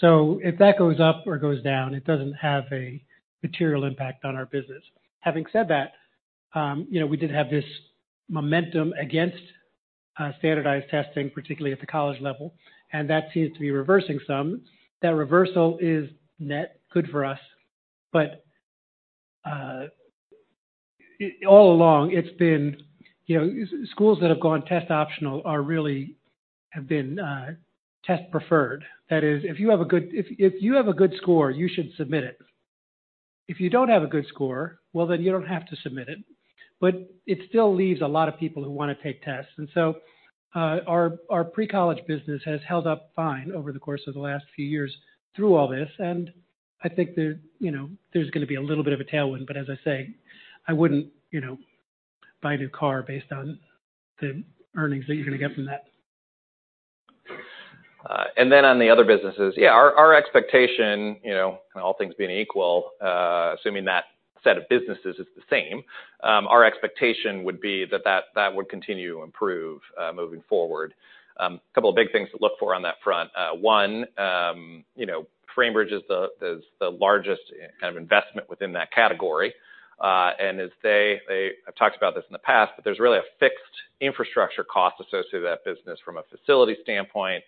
So if that goes up or goes down, it doesn't have a material impact on our business. Having said that, you know, we did have this momentum against standardized testing, particularly at the college level, and that seems to be reversing some. That reversal is net good for us, but all along it's been, you know, schools that have gone test optional are really... have been test preferred. That is, if you have a good score, you should submit it. If you don't have a good score, well, then you don't have to submit it. But it still leaves a lot of people who wanna take tests. And so, our pre-college business has held up fine over the course of the last few years through all this, and I think there, you know, there's gonna be a little bit of a tailwind, but as I say, I wouldn't, you know, buy a new car based on the earnings that you're gonna get from that.... And then on the other businesses, yeah, our expectation, you know, and all things being equal, assuming that set of businesses is the same, our expectation would be that that would continue to improve moving forward. A couple of big things to look for on that front. One, you know, Framebridge is the largest kind of investment within that category. And as they, I've talked about this in the past, but there's really a fixed infrastructure cost associated with that business from a facility standpoint,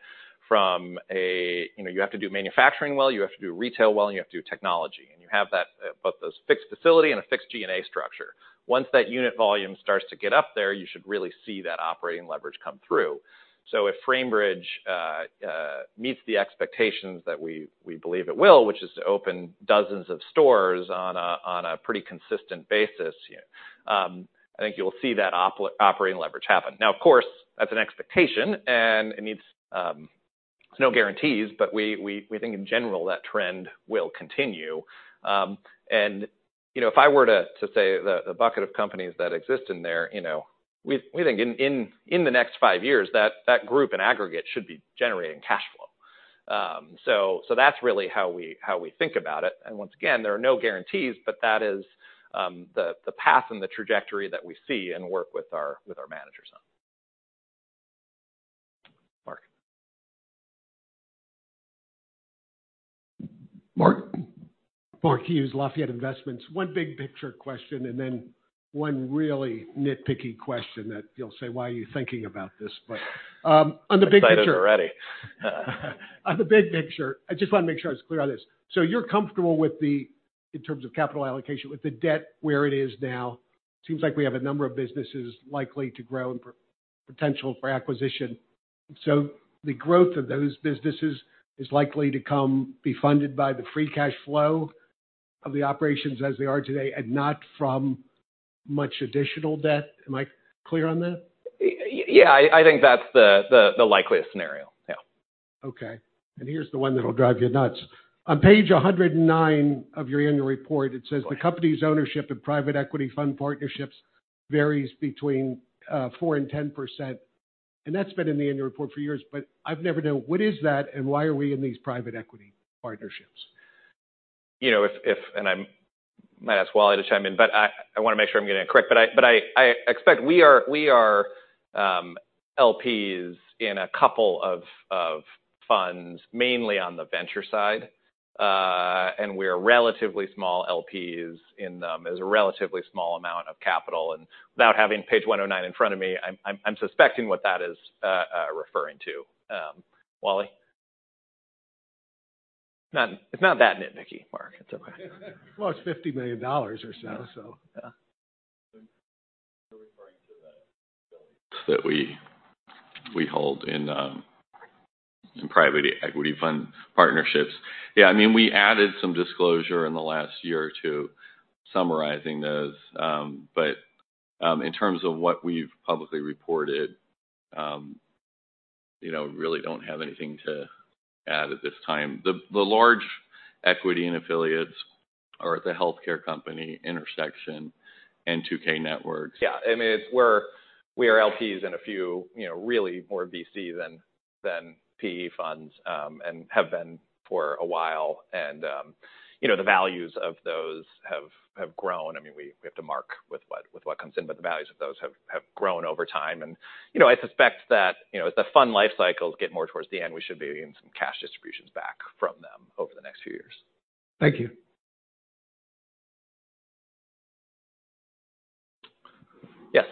from a... You know, you have to do manufacturing well, you have to do retail well, and you have to do technology. And you have that, both those fixed facility and a fixed G&A structure. Once that unit volume starts to get up there, you should really see that operating leverage come through. So if Framebridge meets the expectations that we believe it will, which is to open dozens of stores on a pretty consistent basis, I think you'll see that operating leverage happen. Now, of course, that's an expectation and it needs no guarantees, but we think in general, that trend will continue. And, you know, if I were to say the bucket of companies that exist in there, you know, we think in the next five years, that group in aggregate should be generating cash flow. So, that's really how we think about it. Once again, there are no guarantees, but that is the path and the trajectory that we see and work with our managers on. Mark? Mark Hughes, Lafayette Investments. One big picture question, and then one really nitpicky question that you'll say, "Why are you thinking about this?" But, on the big picture- Excited already. On the big picture, I just want to make sure I was clear on this. So you're comfortable with the, in terms of capital allocation, with the debt where it is now? Seems like we have a number of businesses likely to grow and potential for acquisition. So the growth of those businesses is likely to come, be funded by the free cash flow of the operations as they are today, and not from much additional debt. Am I clear on that? Yeah, I think that's the likeliest scenario. Yeah. Okay. Here's the one that'll drive you nuts. On page 109 of your annual report, it says, "The company's ownership of private equity fund partnerships varies between 4%-10%." And that's been in the annual report for years, but I've never known. What is that, and why are we in these private equity partnerships? You know, if and I might ask Wallace to chime in, but I want to make sure I'm getting it correct. But I expect we are LPs in a couple of funds, mainly on the venture side, and we are relatively small LPs in them. There's a relatively small amount of capital, and without having page 109 in front of me, I'm suspecting what that is referring to. Wallace? No, it's not that nitpicky, Mark. It's okay. Well, it's $50 million or so, so. Yeah. Referring to that we hold in private equity fund partnerships. Yeah, I mean, we added some disclosure in the last year to summarizing those, but in terms of what we've publicly reported, you know, really don't have anything to add at this time. The large equity affiliates are at the healthcare company, Intersection and 2K Networks. Yeah, I mean, we are LPs in a few, you know, really more VC than PE funds, and have been for a while. And, you know, the values of those have grown. I mean, we have to mark with what comes in, but the values of those have grown over time. And, you know, I suspect that, you know, as the fund life cycles get more towards the end, we should be getting some cash distributions back from them over the next few years. Thank you. Yes,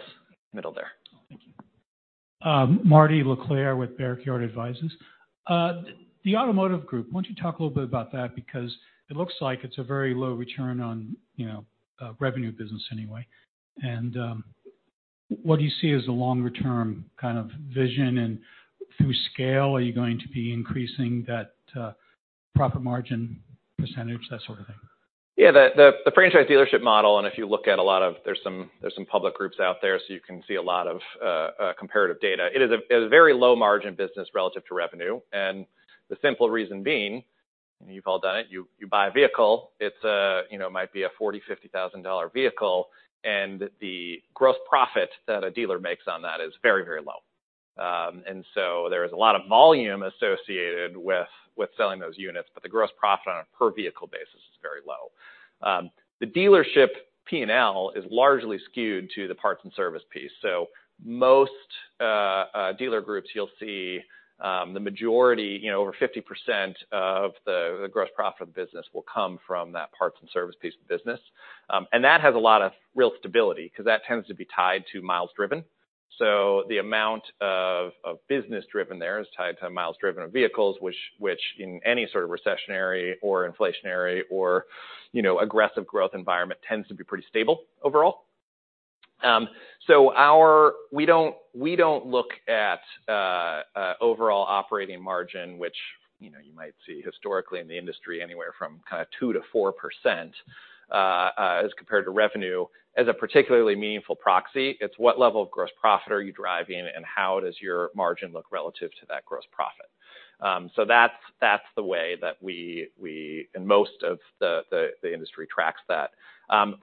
middle there. Thank you. Marty LeClerc with Barrack Yard Advisors. The automotive group, why don't you talk a little bit about that? Because it looks like it's a very low return on, you know, revenue business anyway. And what do you see as the longer term kind of vision? And through scale, are you going to be increasing that profit margin percentage, that sort of thing? Yeah, the franchise dealership model, and if you look at a lot of... There's some public groups out there, so you can see a lot of comparative data. It is a very low margin business relative to revenue, and the simple reason being, and you've all done it, you buy a vehicle, it's, you know, might be a $40,000-$50,000 vehicle, and the gross profit that a dealer makes on that is very, very low. And so there is a lot of volume associated with selling those units, but the gross profit on a per vehicle basis is very low. The dealership P&L is largely skewed to the parts and service piece. So most dealer groups, you'll see, the majority, you know, over 50% of the gross profit of business will come from that parts and service piece of business. And that has a lot of real stability, because that tends to be tied to miles driven. So the amount of business driven there is tied to miles driven of vehicles, which in any sort of recessionary or inflationary or, you know, aggressive growth environment, tends to be pretty stable overall. So we don't look at overall operating margin, which, you know, you might see historically in the industry, anywhere from kind of 2%-4% as compared to revenue, as a particularly meaningful proxy. It's what level of gross profit are you driving, and how does your margin look relative to that gross profit?... So that's the way that we and most of the industry tracks that.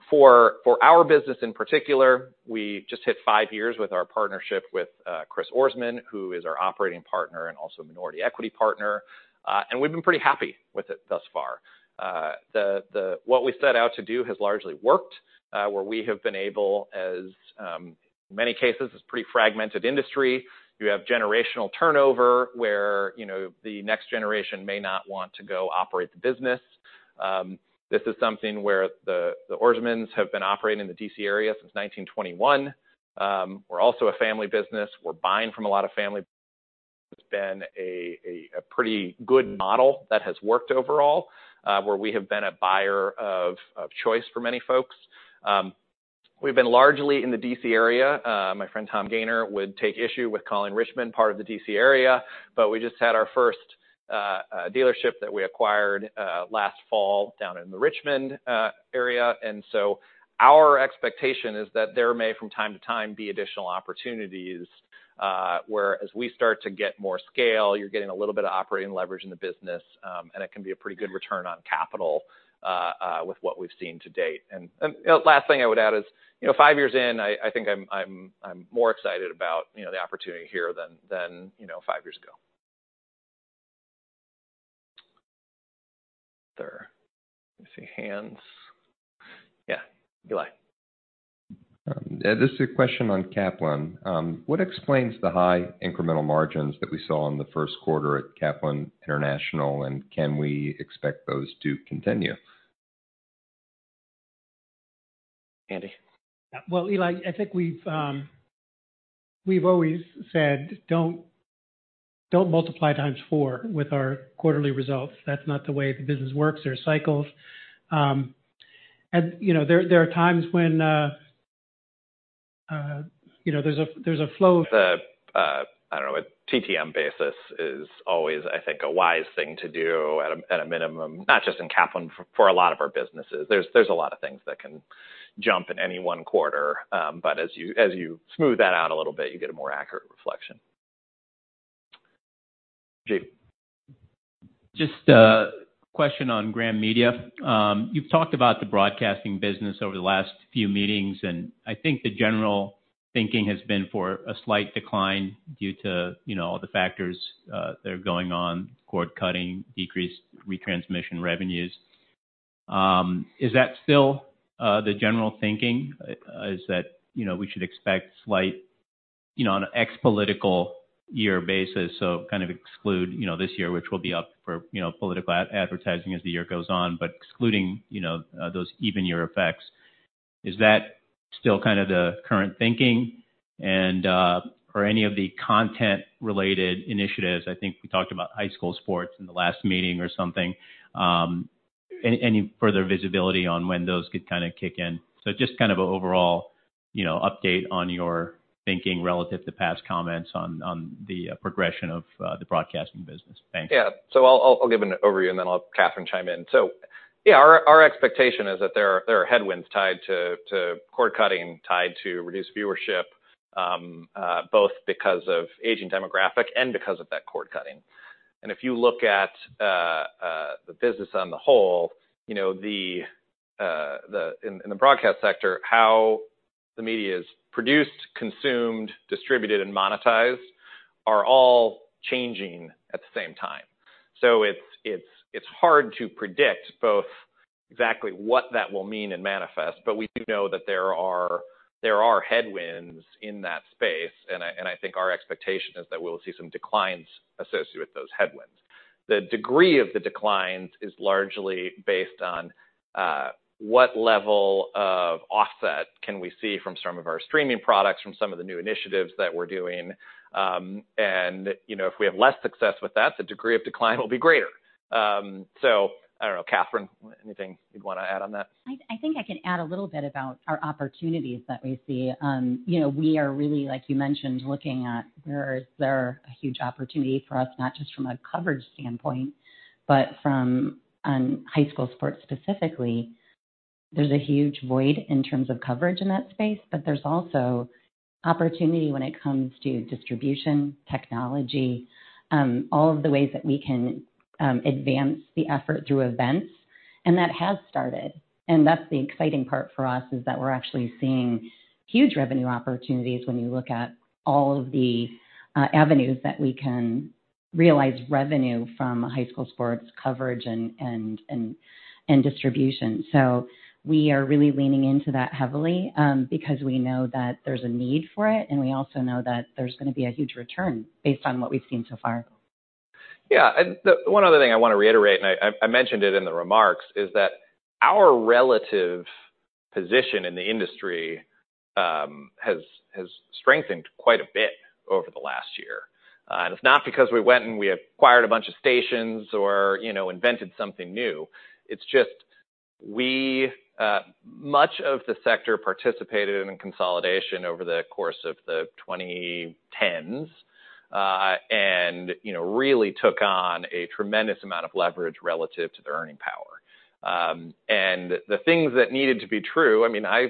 For our business, in particular, we just hit five years with our partnership with Chris Ourisman, who is our Operating Partner and also a Minority Equity Partner. And we've been pretty happy with it thus far. What we set out to do has largely worked, where we have been able as many cases, it's a pretty fragmented industry. You have generational turnover, where, you know, the next generation may not want to go operate the business. This is something where the Ourisman have been operating in the DC area since 1921. We're also a family business. We're buying from a lot of family. It's been a pretty good model that has worked overall, where we have been a buyer of choice for many folks. We've been largely in the D.C. area. My friend Thomas Gayner would take issue with calling Richmond part of the D.C. area, but we just had our first dealership that we acquired last fall down in the Richmond area. And so our expectation is that there may, from time to time, be additional opportunities, where as we start to get more scale, you're getting a little bit of operating leverage in the business, and it can be a pretty good return on capital with what we've seen to date. And last thing I would add is, you know, five years in, I think I'm more excited about, you know, the opportunity here than, you know, five years ago. Let me see, hands. Yeah, Eli. This is a question on Kaplan. What explains the high incremental margins that we saw in the first quarter at Kaplan International, and can we expect those to continue? Andy? Well, Eli, I think we've always said, don't multiply times four with our quarterly results. That's not the way the business works. There are cycles. And, you know, there are times when, you know, there's a flow- The, I don't know, a TTM basis is always, I think, a wise thing to do at a minimum, not just in Kaplan, for a lot of our businesses. There's a lot of things that can jump in any one quarter, but as you smooth that out a little bit, you get a more accurate reflection. Jake. Just a question on Graham Media. You've talked about the broadcasting business over the last few meetings, and I think the general thinking has been for a slight decline due to, you know, all the factors that are going on, cord-cutting, decreased retransmission revenues. Is that still the general thinking? Is that, you know, we should expect slight, you know, on an ex-political year basis, so kind of exclude, you know, this year, which will be up for, you know, political advertising as the year goes on, but excluding, you know, those even year effects. Is that still kind of the current thinking? And are any of the content-related initiatives, I think we talked about high school sports in the last meeting or something, any further visibility on when those could kind of kick in? Just kind of an overall, you know, update on your thinking relative to past comments on the progression of the broadcasting business. Thanks. Yeah. So I'll give an overview, and then I'll have Catherine chime in. So yeah, our expectation is that there are headwinds tied to cord-cutting, tied to reduced viewership, both because of aging demographic and because of that cord-cutting. And if you look at the business on the whole, you know, in the broadcast sector, how the media is produced, consumed, distributed, and monetized, are all changing at the same time. So it's hard to predict both exactly what that will mean and manifest, but we do know that there are headwinds in that space, and I think our expectation is that we'll see some declines associated with those headwinds. The degree of the declines is largely based on what level of offset can we see from some of our streaming products, from some of the new initiatives that we're doing, and, you know, if we have less success with that, the degree of decline will be greater. So I don't know, Catherine, anything you'd want to add on that? I, I think I can add a little bit about our opportunities that we see. You know, we are really, like you mentioned, looking at where is there a huge opportunity for us, not just from a coverage standpoint, but from on high school sports specifically. There's a huge void in terms of coverage in that space, but there's also opportunity when it comes to distribution, technology, all of the ways that we can advance the effort through events, and that has started. And that's the exciting part for us, is that we're actually seeing huge revenue opportunities when you look at all of the avenues that we can realize revenue from high school sports coverage and distribution. So we are really leaning into that heavily, because we know that there's a need for it, and we also know that there's gonna be a huge return based on what we've seen so far. Yeah, one other thing I want to reiterate, and I mentioned it in the remarks, is that our relative position in the industry has strengthened quite a bit over the last year. And it's not because we went and we acquired a bunch of stations or, you know, invented something new. It's just we much of the sector participated in consolidation over the course of the 2010s, and, you know, really took on a tremendous amount of leverage relative to the earning power. And the things that needed to be true, I mean, I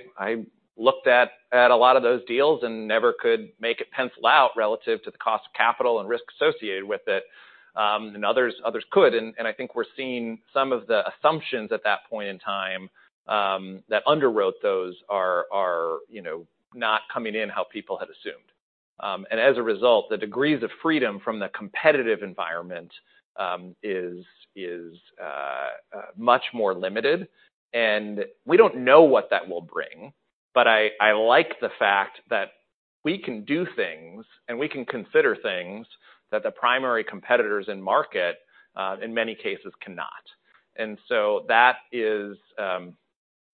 looked at a lot of those deals and never could make it pencil out relative to the cost of capital and risk associated with it, and others could. I think we're seeing some of the assumptions at that point in time that underwrote those are, you know, not coming in how people had assumed. And as a result, the degrees of freedom from the competitive environment is much more limited. And we don't know what that will bring, but I like the fact that we can do things and we can consider things that the primary competitors in market in many cases cannot. And so that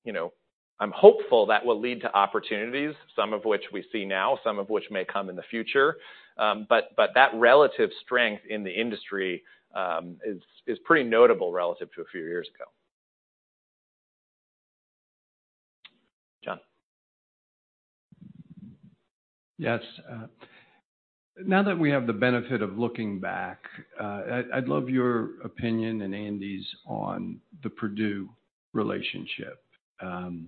is, you know, I'm hopeful that will lead to opportunities, some of which we see now, some of which may come in the future. But that relative strength in the industry is pretty notable relative to a few years ago. John? Yes. Now that we have the benefit of looking back, I'd love your opinion and Andy's on the Purdue relationship.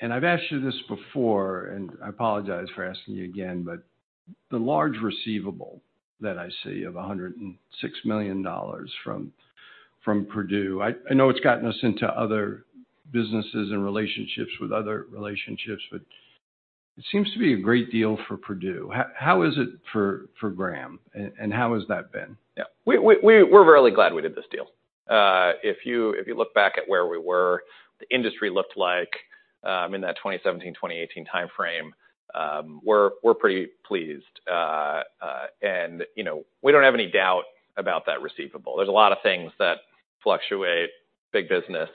And I've asked you this before, and I apologize for asking you again, but the large receivable that I see of $106 million from Purdue, I know it's gotten us into other businesses and relationships with other relationships, but it seems to be a great deal for Purdue. How is it for Graham, and how has that been? Yeah. We're really glad we did this deal. If you look back at where we were, the industry looked like in that 2017-2018 timeframe, we're pretty pleased. And, you know, we don't have any doubt about that receivable. There's a lot of things that fluctuate, big business.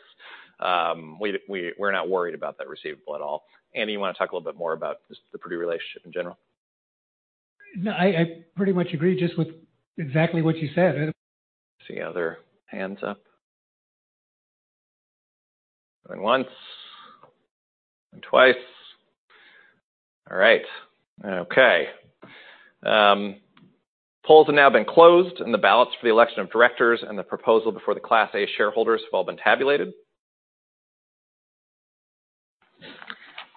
We're not worried about that receivable at all. Andy, you wanna talk a little bit more about this, the Purdue relationship in general? No, I pretty much agree just with exactly what you said. See other hands up? Going once and twice. All right. Okay. Polls have now been closed, and the ballots for the election of directors and the proposal before the Class A shareholders have all been tabulated.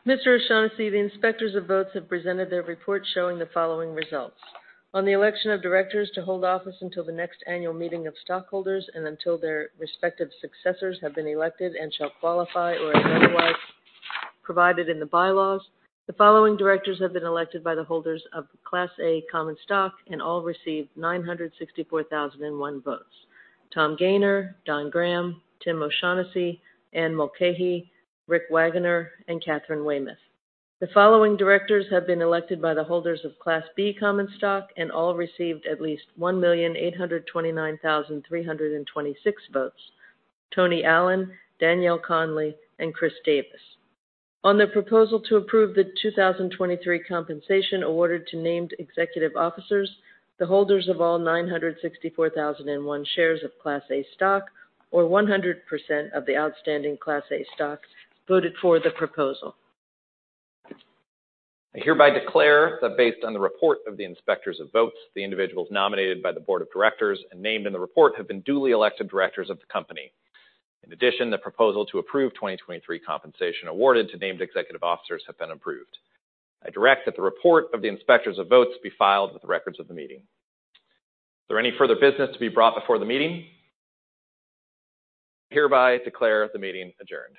Mr. O'Shaughnessy, the inspectors of votes have presented their report showing the following results: On the election of directors to hold office until the next annual meeting of stockholders and until their respective successors have been elected and shall qualify or otherwise provided in the bylaws, the following directors have been elected by the holders of Class A common stock and all received 964,001 votes: Thomas Gayner, Donald Graham, Timothy O'Shaughnessy, Anne Mulcahy, Rick Wagoner, and Katharine Weymouth. The following directors have been elected by the holders of Class B common stock and all received at least 1,829,326 votes: Tony Allen, Danielle Conley, and Chris Davis. On the proposal to approve the 2023 compensation awarded to named executive officers, the holders of all 964,001 shares of Class A stock, or 100% of the outstanding Class A stocks, voted for the proposal. I hereby declare that based on the report of the inspectors of votes, the individuals nominated by the board of directors and named in the report have been duly elected directors of the company. In addition, the proposal to approve 2023 compensation awarded to named executive officers have been approved. I direct that the report of the inspectors of votes be filed with the records of the meeting. Is there any further business to be brought before the meeting? I hereby declare the meeting adjourned.